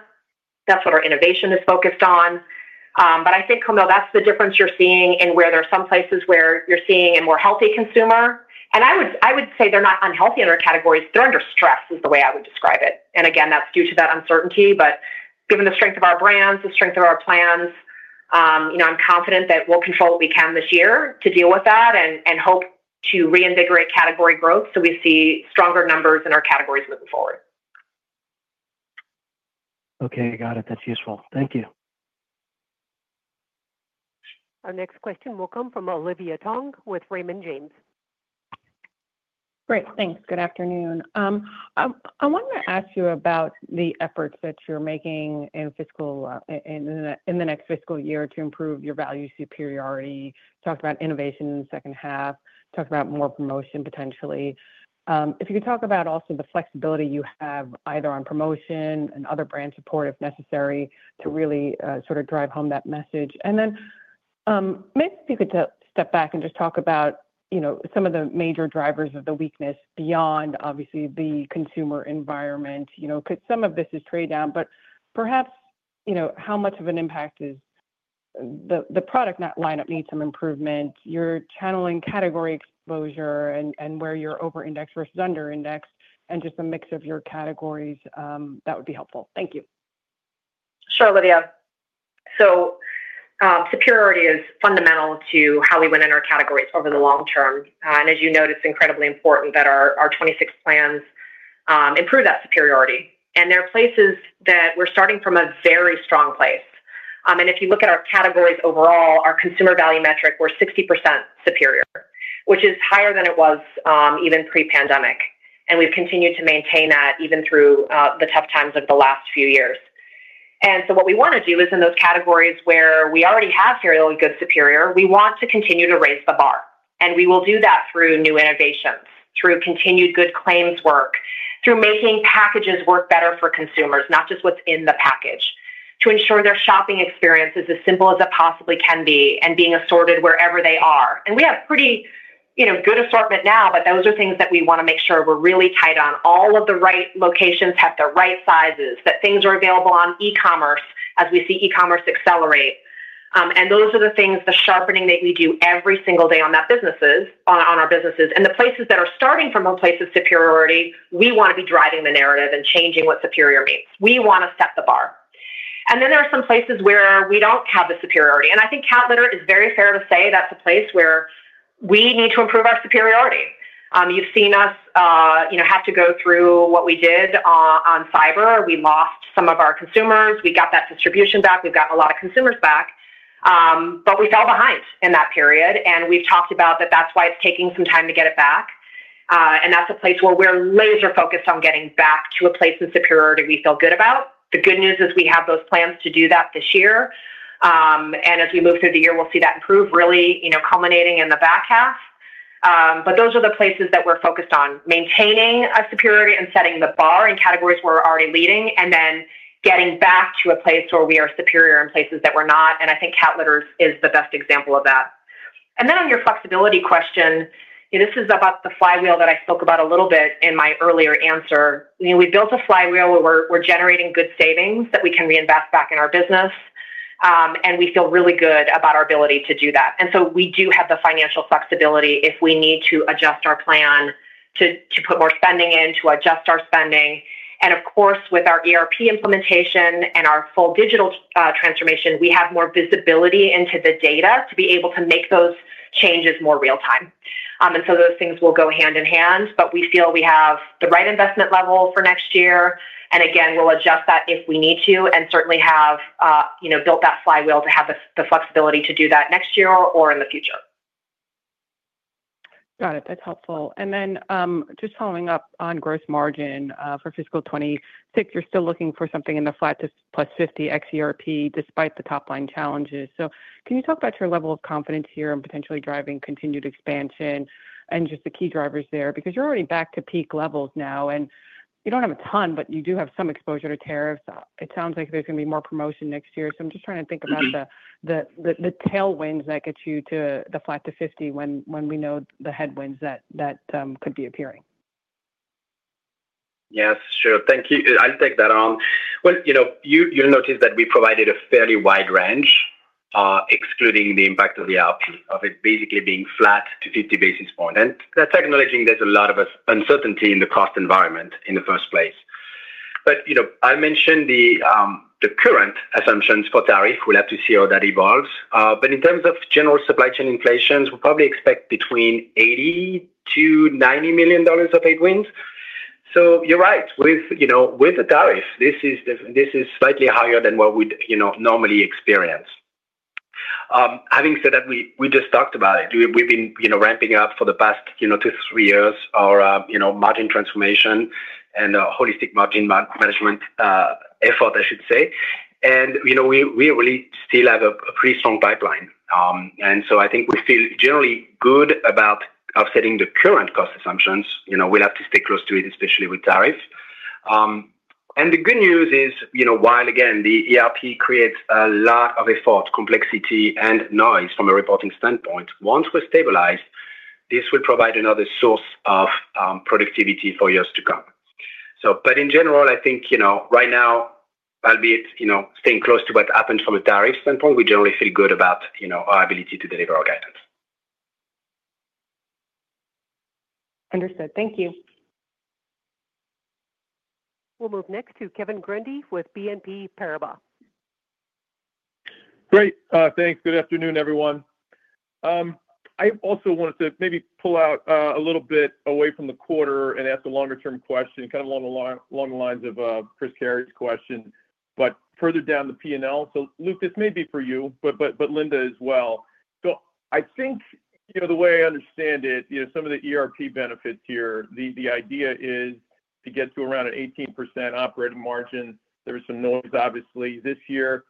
That's what our innovation is focused on. I think, Kaumil, that's the difference you're seeing in where there are some places where you're seeing a more healthy consumer. I would say they're not unhealthy in our categories. They're under stress, is the way I would describe it. That's due to that uncertainty. Given the strength of our brands and the strength of our plans, I'm confident that we'll control what we can this year to deal with that and hope to reinvigorate category growth so we see stronger numbers in our categories moving forward. Okay, got it. That's useful. Thank you. Our next question will come from Olivia Tong with Raymond James. Great, thanks. Good afternoon. I wanted to ask you about the efforts that you're making in the next fiscal year to improve your value superior. Talked about innovation in the second half, talked about more promotion potentially. If you could talk about also the flexibility you have either on promotion and other brand support if necessary, to really sort of drive home that message. Maybe if you could step back and just talk about, you know, some of the major drivers of the weakness beyond obviously the consumer environment, you know, because some of this is trade down, but perhaps, you know, how much of an impact is the product lineup, needs some improvement, your channeling, category exposure and where you're over indexed versus under indexed and just a mix of your categories, that would be helpful. Thank you. Sure. Olivia, superiority is fundamental to how we win in our categories over the long term. As you notice, it's incredibly important that our 26 plans improve that superiority. There are places that we're starting from a very strong place. If you look at our categories overall, our consumer value metric, we're 60% superior, which is higher than it was even pre-pandemic. We've continued to maintain that even through the tough times of the last few years. What we want to do is in those categories where we already have serial and good superior, we want to continue to raise the bar. We will do that through new innovations, through continued good claims work, through making packages work better for consumers, not just what's in the package, to ensure their shopping experience is as simple as it possibly can be, and being assorted wherever they are. We have pretty, you know, good assortment now, but those are things that we want to make sure we're really tight on. All of the right locations have the right sizes, that things are available on e-commerce, as we see e-commerce accelerated. Those are the things, the sharpening that we do every single day on that businesses, on our businesses. The places that are starting from a place of superiority, we want to be driving the narrative and changing what superior means. We want to set the bar. There are some places where we don't have the superiority. I think Cat litter is very fair to say that's a place where we need to improve our superiority. You've seen us have to go through what we did on the cyberattack. We lost some of our consumers, we got that distribution back, we've gotten a lot of consumers back, but we fell behind in that period. We've talked about that. That's why it's taking some time to get it back. That's a place where we're laser focused on getting back to a place in superiority we feel good about. The good news is we have those plans to do that this year. As we move through the year, we'll see that improve, really culminating in the back half. Those are the places that we're focused on maintaining a superiority and setting the bar in categories we're already leading, and then getting back to a place where we are superior in places that we're not. I think Fresh Step is the best example of that. On your flexibility question, this is about the reinvestment flywheel that I spoke about a little bit in my earlier answer. We built a flywheel where we're generating good savings that we can reinvest back in our business, and we feel really good about our ability to do that. We do have the financial flexibility if we need to adjust our plan to put more spending in, to adjust our spending. Of course, with our ERP implementation and our full digital transformation, we have more visibility into the data to be able to make those changes more real time. Those things will go hand in hand. We feel we have the right investment level for next year, and again, we'll adjust that if we need to and certainly have built that flywheel to have the flexibility to do that next year or in the future. Got it. That's helpful. Just following up on gross margin for fiscal 2026, you're still looking for something in the flat to plus 50 basis points ERP despite the top-line challenges. Can you talk about your level of confidence here and potentially driving continued expansion and just the key drivers there, because you're already back to peak levels now and you don't have a ton, but you do have some exposure to tariffs. It sounds like there's going to be more promotion next year. I'm just trying to think about the tailwinds that get you to the flat to 50 when we know the headwinds that could be appearing. Yes, sure. Thank you. I'll take that on. You know, you'll notice that we provided a fairly wide range, excluding the impact of the ERP, of it basically being flat to 50 basis points. That's acknowledging there's a lot of uncertainty in the cost environment in the first place. I mentioned the current assumptions for tariff. We'll have to see how that evolves. In terms of general supply chain inflation, we probably expect between $80 million-$90 million of headwinds. You're right, with the tariff, this is slightly higher than what we'd normally experience. Having said that, we just talked about it. We've been ramping up for the past two, three years our margin transformation and holistic margin management effort, I should say. We really still have a pretty strong pipeline. I think we feel generally good about offsetting the current cost assumptions. We'll have to stay close to it, especially with tariffs. The good news is while, again, the ERP creates a lot of effort, complexity, and noise from a reporting standpoint, once we're stabilized, this will provide another source of productivity for years to come. In general, I think, you know, right now, albeit, you know, staying close to what happened from a tariff standpoint, we generally feel good about, you know, our ability to deliver our guidance. Understood, thank you. We'll move next to Kevin Grundy with BNP Paribas. Great, thanks. Good afternoon everyone. I also wanted to maybe pull out a little bit away from the quarter and ask a longer term question, kind of along the lines of Chris Carey's question, but further down the P&L. Luc, this may be for you, but Linda as well, I think the way I understand it, you know, some of the ERP benefits here, the idea is to get to around an 18% operating margin. There was some noise obviously this year.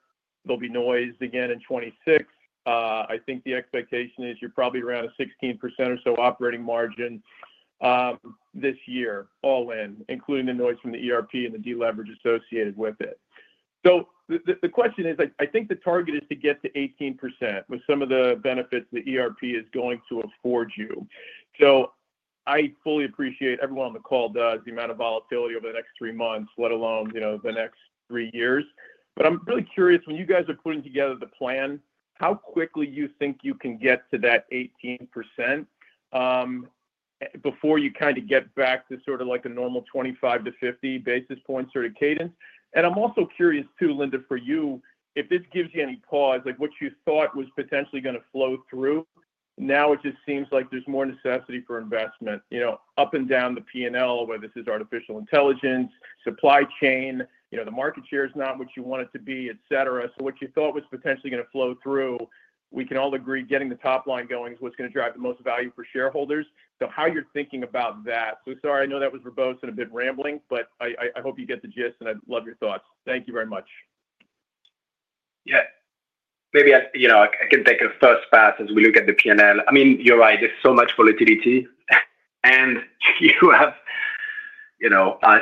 There'll be noise again in 2026. I think the expectation is you're probably around a 16% or so operating margin this year, all in including the noise from the ERP and the deleverage associated with it. The question is, I think the target is to get to 18% with some of the benefits the ERP is going to afford you. I fully appreciate everyone on the call does the amount of volatility over the next three months, let alone, you know, the next three years. I'm really curious when you guys are putting together the plan, how quickly you think you can get to that 18% before you kind of get back to sort of like a normal 25-50 basis points or the cadence. I'm also curious too, Linda, for you, if this gives you any pause, like what you thought was potentially going to flow through, now it just seems like there's more necessity for investment, you know, up and down the P&L where this is artificial intelligence, supply chain, you know, the market share is not what you want it to be, etc. What you thought was potentially going to flow through, we can all agree getting the top line going is what's going to drive the most value for shareholders. How you're thinking about that. Sorry, I know that was verbose and a bit rambling, but I hope you get the gist and I love your thoughts. Thank you very much. Yeah, maybe I can take a first pass as we look at the P&L. I mean, you're right, there's so much volatility and you have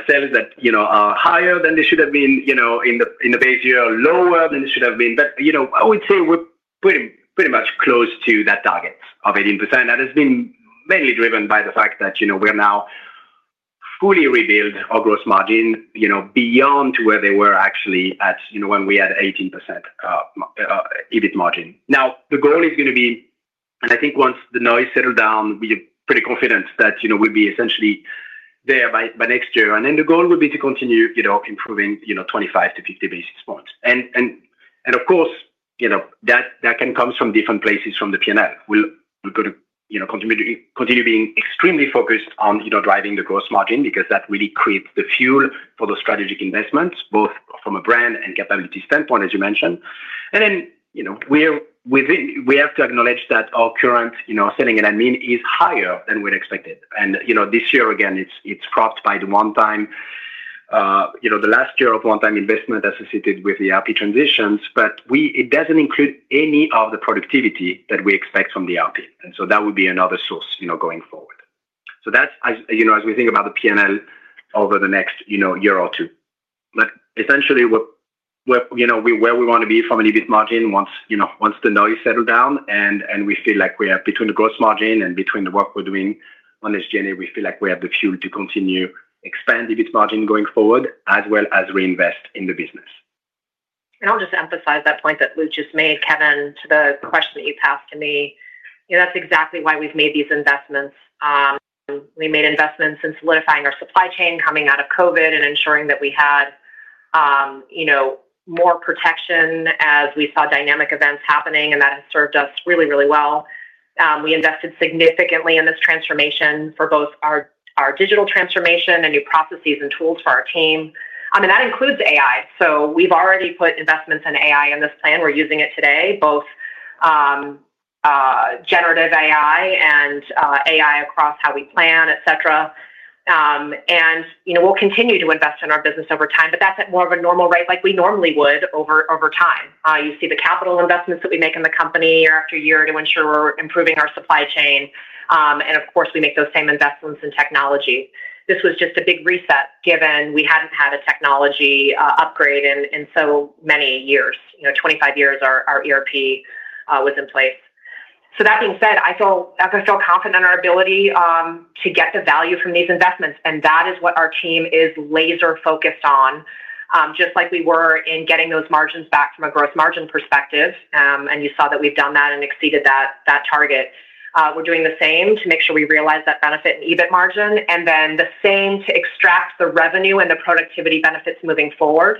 sales that are higher than they should have been in the base year, lower than they should have been. I would say we're pretty much close to that target of 18% that has been mainly driven by the fact that we've now fully rebuilt our gross margin beyond where they were actually at when we had 18% EBIT margin. Now the goal is going to be, and I think once the noise settles down, we are pretty confident that we'll be essentially there by next year and the goal would be to continue improving 25-50 basis points. Of course, that can come from different places. From the P&L, we're going to continue being extremely focused on driving the gross margin because that really creates the fuel for the strategic investments both from a brand and capability standpoint, as you mentioned. We have to acknowledge that our current selling and admin is higher than we'd expected. This year, again it's cropped by the one-time, the last year of one-time investment associated with ERP transitions, but it doesn't include any of the productivity that we expect from the ERP. That would be another source going forward. That's as we think about the P&L over the next year or two, but essentially where we want to be from an EBIT margin once the noise settles down and we feel like we have between the gross margin and between the work we're doing on SG&A, we feel like we have the fuel to continue expanding EBIT margin going forward as well as reinvest in the business. I'll just emphasize that point that Luc just made. Kevin, to the question that you passed to me, that's exactly why we've made these investments. We made investments in solidifying our supply chain coming out of COVID and ensuring that we had more protection as we saw dynamic events happening. That has served us really, really well. We invested significantly in this transformation for both our digital transformation and new processes and tools for our team. That includes AI. We've already put investments in AI in this plan. We're using it today, both generative AI and AI across how we plan, et cetera. We'll continue to invest in our business over time, but that's at more of a normal rate like we normally would over time. You see the capital investments that we make in the company year after year to ensure we're improving our supply chain. Of course, we make those same investments in technology. This was just a big reset given we hadn't had a technology upgrade in so many years. 25 years our ERP was in place. That being said, I feel confident in our ability to get the value from these investments. That is what our team is laser focused on, just like we were in getting those margins back from a gross margin perspective. You saw that we've done that and exceeded that target. We're doing the same to make sure we realize that benefit in EBIT margin and then the same to extract the revenue and the productivity benefits moving forward.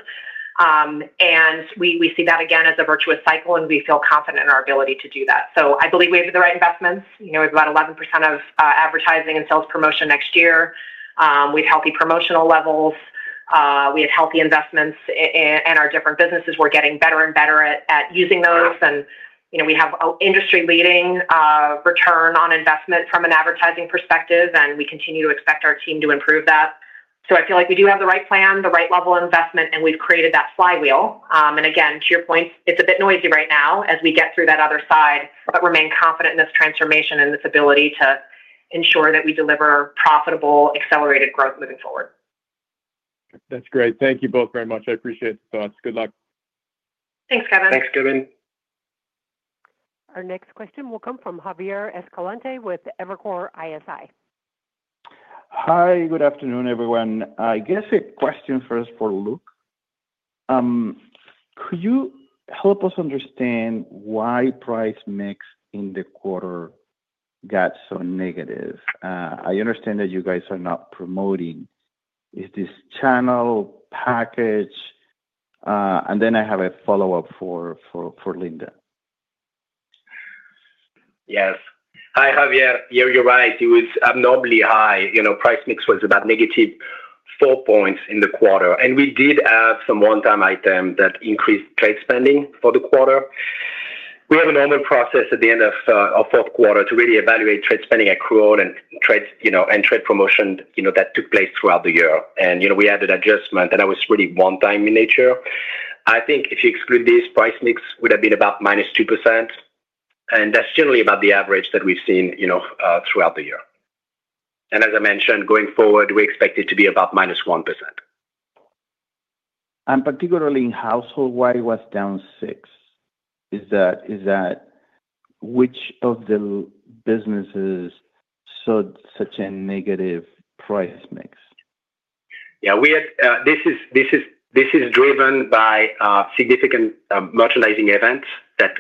We see that again as a virtuous cycle and we feel confident in our ability to do that. I believe we have the right investments. We have about 11% of advertising and sales promotion next year with healthy promotional levels. We have healthy investments in our different businesses, we're getting better and better at using those and we have industry leading return on investment from an advertising perspective and we continue to expect our team to improve that. I feel like we do have the right plan, the right level of investment and we've created that flywheel. Again, to your point, it's a bit noisy right now as we get through that other side, but remain confident in this transformation and this ability to ensure that we deliver profitable, accelerated growth moving forward. That's great. Thank you both very much. I appreciate the thoughts. Good luck. Thanks Kevin. Thanks Karen. Our next question will come from Javier Escalante with Evercore ISI. Hi, good afternoon everyone. I guess a question first for Luc. Could you help us understand why price mix in the quarter got so negative? I understand that you guys are not promoting. Is this channel, package, and then I have a follow up for Linda. Yes, hi Javier. You're right, it was abnormally high. You know, price mix was about negative four points in the quarter. We did have some one-time item that increased trade spending for the quarter. We have a normal process at the end of fourth quarter to really evaluate trade spending accrual and trade promotion that took place throughout the year. We added adjustment and it was really one-time in nature. I think if you exclude this, price mix would have been about -2% and that's generally about the average that we've seen throughout the year. As I mentioned, going forward we expect it to be about -1%. And particularly in Household, why was down six? Is that, is that, which of the businesses showed such a negative price mix? Yeah, this is driven by significant merchandising events that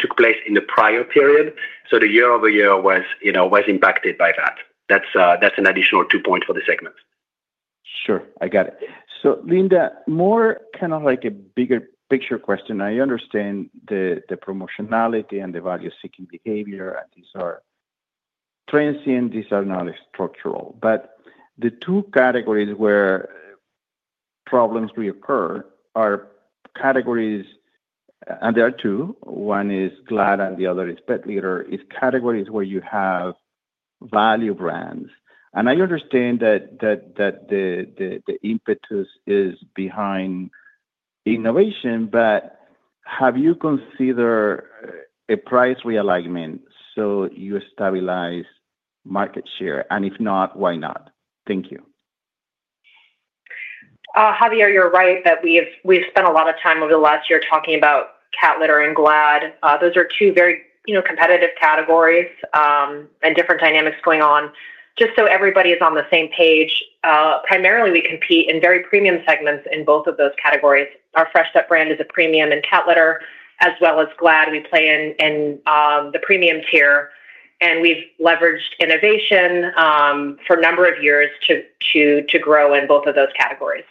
took place in the prior period. The year-over-year was impacted by that. That's an additional two points for the segment. Sure, I got it. So Linda, more kind of like a bigger picture question. I understand the promotionality and the value-seeking behavior and these are transient, these are not structural. The two categories where problems reoccur are categories, and there are two. One is Glad and the other is Pet Litter, categories where you have value brands. I understand that the impetus is behind innovation, but have you considered a price realignment so you stabilize market share? And if not, why not? Thank you. Javier, you're right that we've spent a lot of time over the last year talking about Cat litter and Glad. Those are two very competitive categories and different dynamics going on. Just so everybody is on the same page, primarily we compete in very premium segments in both of those categories. Our Fresh Step brand is a premium in Cat litter as well as Glad. We play in the premium tier and we've leveraged innovation for a number of years to grow in both of those categories.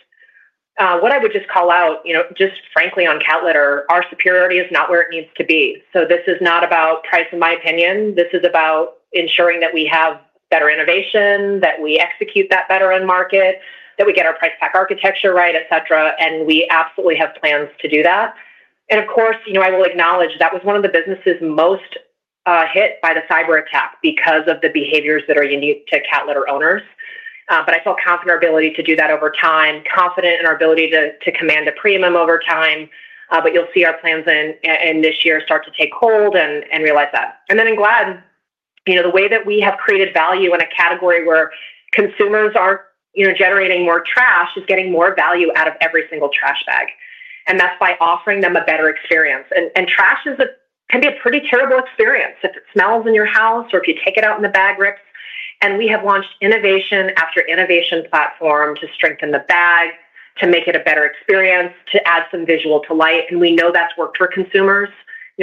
What I would just call out, just frankly, on Cat litter, our superiority is not where it needs to be. This is not about price, in my opinion. This is about ensuring that we have better innovation, that we execute that better in market, that we get our price pack architecture right, etc. We absolutely have plans to do that. Of course, I will acknowledge that was one of the businesses most hit by the cyberattack because of the behaviors that are unique to Cat litter owners. I felt confident in our ability to do that over time, confident in our ability to command a premium over time. You'll see our plans in this year start to take hold and realize that. In Glad, the way that we have created value in a category where consumers are generating more trash is getting more value out of every single trash bag. That's by offering them a better experience. Trash can be a pretty terrible experience if it smells in your house or if you take it out and the bag rips. We have launched innovation after innovation platform to strengthen the bag to make it a better experience, to add some visual delight. We know that's worked for consumers.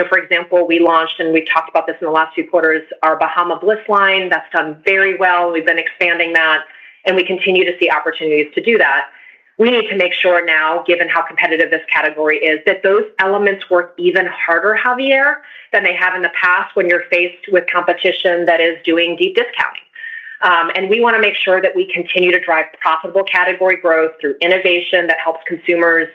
For example, we launched, and we talked about this in the last few quarters, our Bahama Bliss line. That's done very well. We've been expanding that and we continue to see opportunities to do that. We need to make sure now, given how competitive this category is, that those elements work even harder, Javier, than they have in the past when you're faced with competition that is doing deep discounting. We want to make sure that we continue to drive profitable category growth through innovation that helps consumers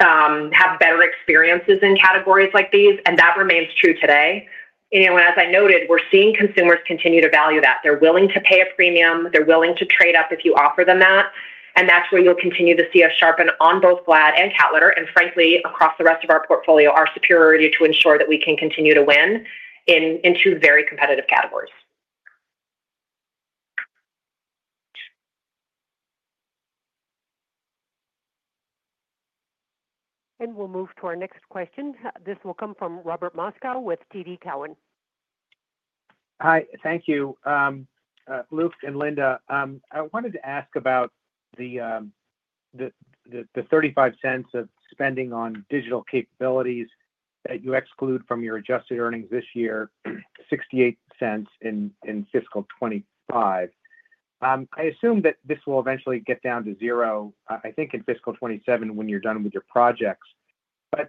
have better experiences in categories like these. That remains true today. As I noted, we're seeing consumers continue to value that. They're willing to pay a premium, they're willing to trade up if you offer them that. That's where you'll continue to see us sharpen on both Glad and Cat litter and, frankly, across the rest of our portfolio, our superiority to ensure that we can continue to win in two very competitive, competitive categories. We'll move to our next question. This will come from Robert Moskow with TD Cowen. Hi. Thank you, Luc and Linda. I wanted to ask about the $0.35 of spending on digital capabilities that you exclude from your Adjusted EPS this year, $0.68 in fiscal 2025. I assume that this will eventually get down to zero, I think in fiscal 2027 when you're done with your projects.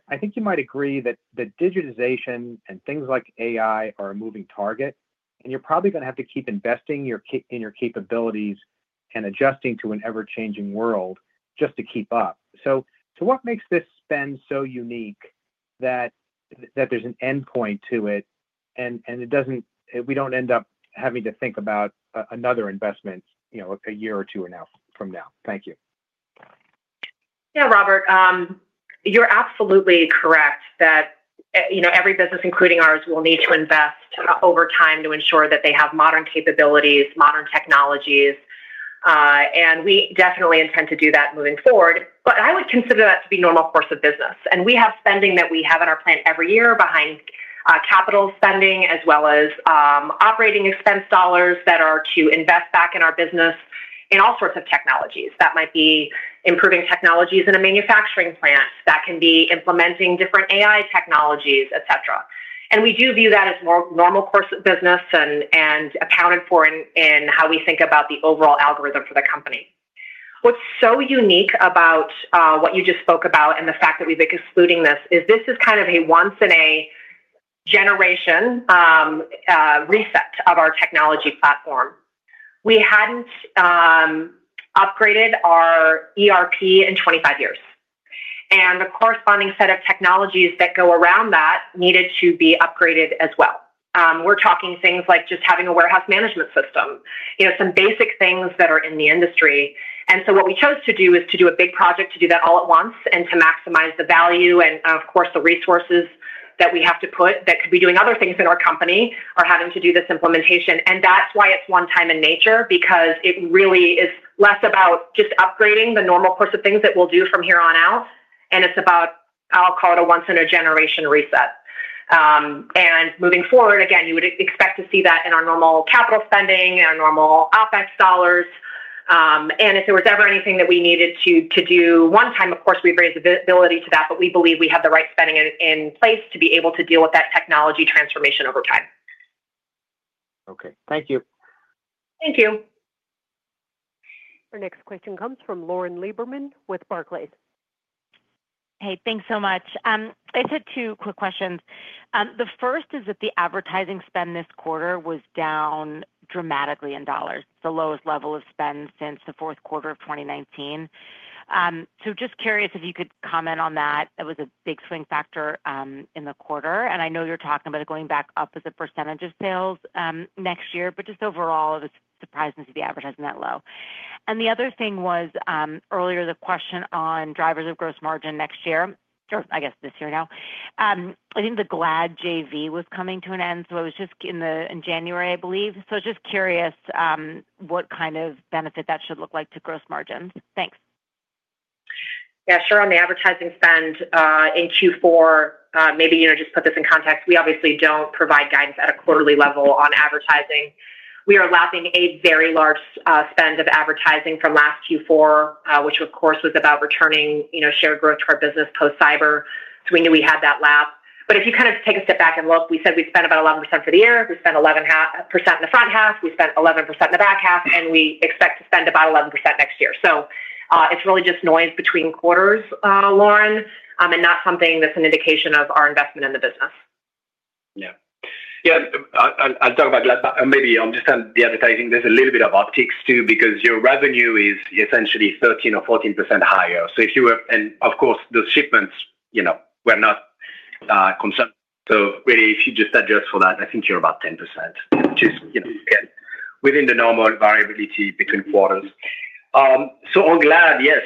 I think you might agree that the digitization and things like AI are a moving target and you're probably going to have to keep investing in your capabilities and adjusting to an ever-changing world just to keep up. What makes this spend so unique that there's an endpoint to it and we don't end up having to think about another investment a year or two from now? Thank you. Yeah. Robert, you're absolutely correct that every business, including ours, will need to invest over time to ensure that they have modern capabilities, modern technologies. We definitely intend to do that moving forward. I would consider that to be normal course of business. We have spending that we have in our plant every year behind capital spending as well as operating expense dollars that are to invest back in our business in all sorts of technologies that might be improving, technologies in a manufacturing plant that can be implementing different AI technologies, et cetera. We do view that as more normal course of business and accounted for in how we think about the overall algorithm for the company. What's so unique about what you just spoke about and the fact that we've been excluding this is this is kind of a once in a generation reset of our technology platform. We hadn't upgraded our ERP in 25 years and the corresponding set of technologies that go around that needed to be upgraded as well. We're talking things like just having a warehouse management system, you know, some basic things that are in the industry. What we chose to do is to do a big project, to do that all at once and to maximize the value. Of course, the resources that we have to put that could be doing other things in our company are having to do this implementation. That's why it's one time in nature, because it really is less about just upgrading the normal course of things that we'll do from here on out. It's about, I'll call it a once in a generation reset and moving forward again, you would expect to see that in our normal capital spending, our normal OpEx dollars, and if there was ever anything that we needed to do one time, of course we'd raise the visibility to that. We believe we have the right spending in place to be able to deal with that technology transformation over time. Okay, thank you. Thank you. Our next question comes from Lauren Rae Lieberman with Barclays. Hey, thanks so much. I had two quick questions. The first is that the advertising spend this quarter was down dramatically in dollars, the lowest level of spend since the fourth quarter of 2019. Just curious if you could comment on that. That was a big swing factor in the quarter and I know you're talking about it going back up as a percentage of sales next year, but overall it was surprising to be advertising that low. The other thing was earlier the question on drivers of gross margin next year, I guess this year now I think the Glad JV was coming to an end. It was just in January, I believe. I was just curious what kind of benefit that should look like to gross margins. Thanks. Yeah, sure. On the advertising spend in Q4, maybe just put this in context. We obviously don't provide guidance at a quarterly level on advertising. We are lapping a very large spend of advertising from last Q4, which of course was about returning share growth for our business post cyberattack. We knew we had that lap. If you take a step back and look, we said we spent about 11% for the year. We spent 11% in the front half, we spent 11% in the back half and we expect to spend about 11% next year. It's really just noise between quarters, Lauren, and not something that's an indication of our investment in the business. Yeah, I'll talk about maybe just on the advertising. There's a little bit of optics too, because your revenue is essentially 13% or 14% higher. If you just adjust for that, I think you're about 10% just within the normal variability between quarters. So I'm glad yes,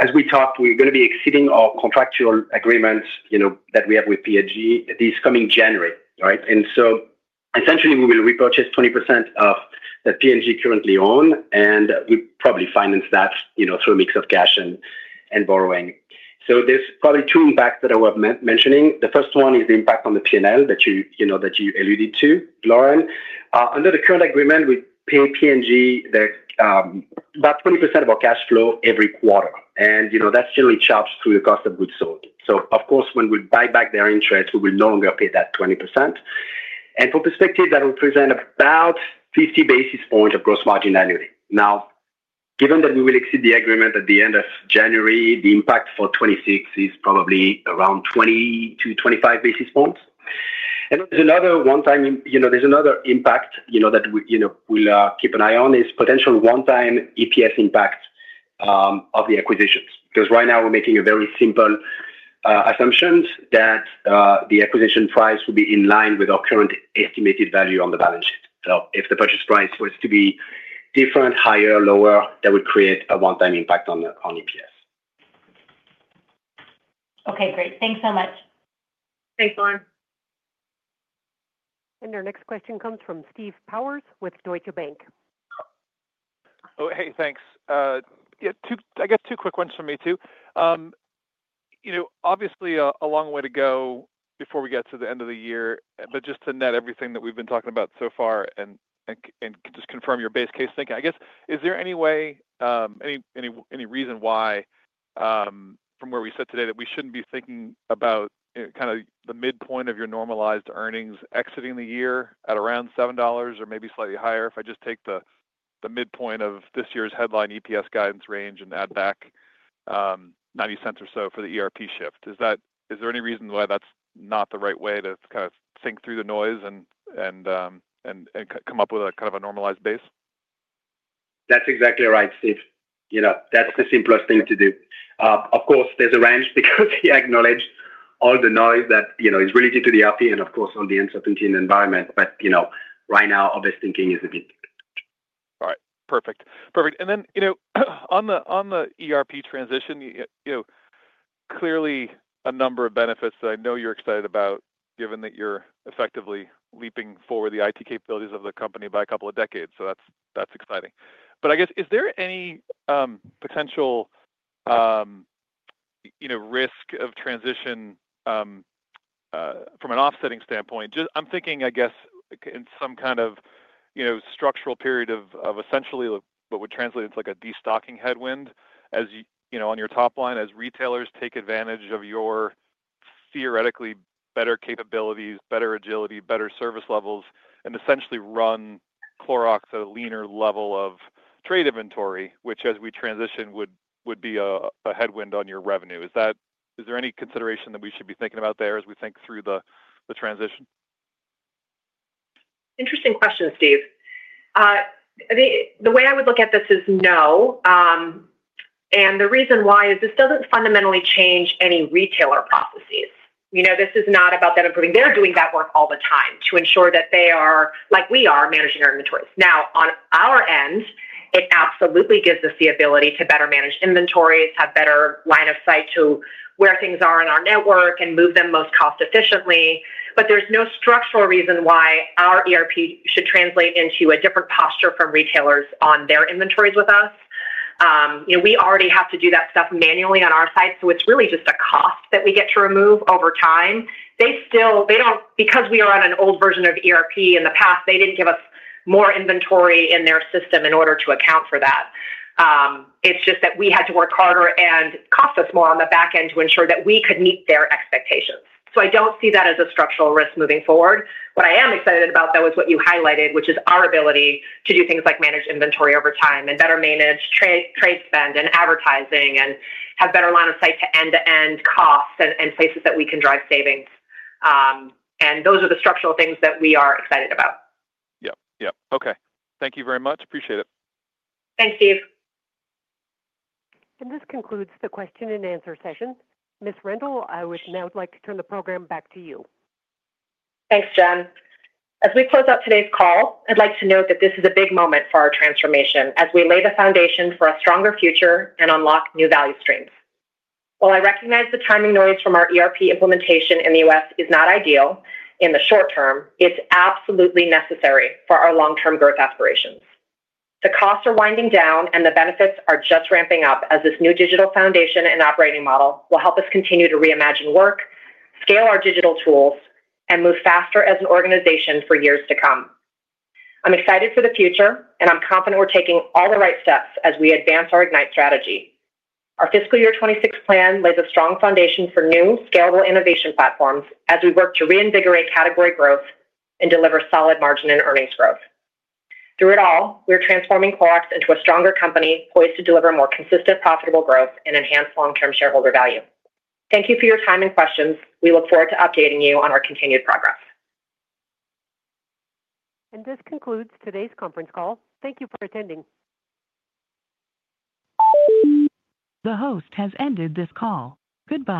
as we talked, we're going to be exceeding our contractual agreements that we have with P&G this coming January. Essentially, we will repurchase 20% of the P&G currently own and we probably finance that through a mix of cash and borrowing. There are probably two impacts that are worth mentioning. The first one is the impact on the P&L that you alluded to, Lauren. Under the current agreement, we pay P&G about 20% of our cash flow every quarter, and that's generally charged through the cost of goods sold. Of course, when we buy back their interest, we will no longer pay that 20%. For perspective, that will present about 50 basis points of gross margin. Now, given that we will exceed the agreement at the end of January, the impact for 2026 is probably around 20-25 basis points. There's another impact that we will keep an eye on, which is potential one-time EPS impact of the acquisitions. Right now, we're making a very simple assumption that the acquisition price will be in line with our current estimated value on the balance sheet. If the purchase price was to be different, higher or lower, that would create a one-time impact on EPS. Okay, great, thanks so much. Thanks, Lauren. Our next question comes from Steve Powers with Deutsche Bank. Oh, thanks. I got two quick ones for me too. Obviously a long way to go before we get to the end of the year. Just to net everything that we've been talking about so far and just confirm your base case thinking, I guess is there any way, any reason why from where we sit today that we shouldn't be thinking about kind of the midpoint of your normalized earnings exiting the year at around $7 or maybe slightly higher? If I just take the midpoint of this year's headline EPS guidance range and add back $0.90 or so for the ERP shift, is there any reason why that's not the right way to kind of think through the noise and come up with a kind of a normalized base? That's exactly right, Steve. You know, that's the simplest thing to do. Of course, there's a range because he acknowledged all the noise that is related to ERP and of course on the uncertainty in the environment. You know, right now, obvious thinking. All right, perfect, perfect. On the ERP transition, clearly a number of benefits that I know you're excited about given that you're effectively leaping forward the IT capabilities of the company by a couple of decades. That's exciting. I guess is there any potential risk of transition from an offsetting standpoint? I'm thinking in some kind of structural period of essentially what would translate. It's like a destocking headwind as you know, on your top line as retailers take advantage of your theoretically better capabilities, better agility, better service levels and essentially run Clorox at a leaner level of trade inventory, which as we transition would be a headwind on your revenue. Is there any consideration that we should be thinking about there as we think through the transition? Interesting question, Steve. The way I would look at this is no. The reason why is this doesn't fundamentally change any retailer processes. This is not about them improving. They're doing that work all the time to ensure that they are, like we are, managing our inventories. Now on our end, it absolutely gives us the ability to better manage inventories, have better line of sight to where things are in our network, and move them most cost efficiently. There's no structural reason why our ERP should translate into a different posture from retailers on their inventories with us. We already have to do that stuff manually on our side, so it's really just a cost that we get to remove over time. They still don't, because we are on an old version of ERP. In the past, they didn't give us more inventory in their system in order to account for that. It's just that we had to work harder and it cost us more on the back end to ensure that we could meet their expectations. I don't see that as a structural risk moving forward. What I am excited about, though, is what you highlighted, which is our ability to do things like manage inventory over time and better manage trade spend and advertising and have better line of sight to end-to-end costs and places that we can drive savings. Those are the structural things that we are excited about. Thank you very much. Appreciate it. Thanks, Steve. This concludes the question and answer session. Ms. Rendle, I would now like to turn the program back to you. Thanks, Jen. As we close out today's call, I'd like to note that this is a big moment for our transformation as we lay the foundation for a stronger future and unlock new value streams. While I recognize the timing noise from our ERP implementation in the U.S. is not ideal in the short term, it's absolutely necessary for our long term growth aspirations. The costs are winding down and the benefits are just ramping up. As this new digital foundation and operating model will help us continue to reimagine work, scale our digital tools, and move faster as an organization for years to come, I'm excited for the future and I'm confident we're taking all the right steps as we advance our Ignite strategy. Our fiscal year 2026 plan lays a strong foundation for new scalable innovation platforms as we work to reinvigorate category growth and deliver solid margin and earnings growth. Through it all, we're transforming The Clorox Company into a stronger company poised to deliver more consistent, profitable growth and enhance long term shareholder value. Thank you for your time and questions. We look forward to updating you on our continued progress. This concludes today's conference call. Thank you for attending. The host has ended this call. Goodbye.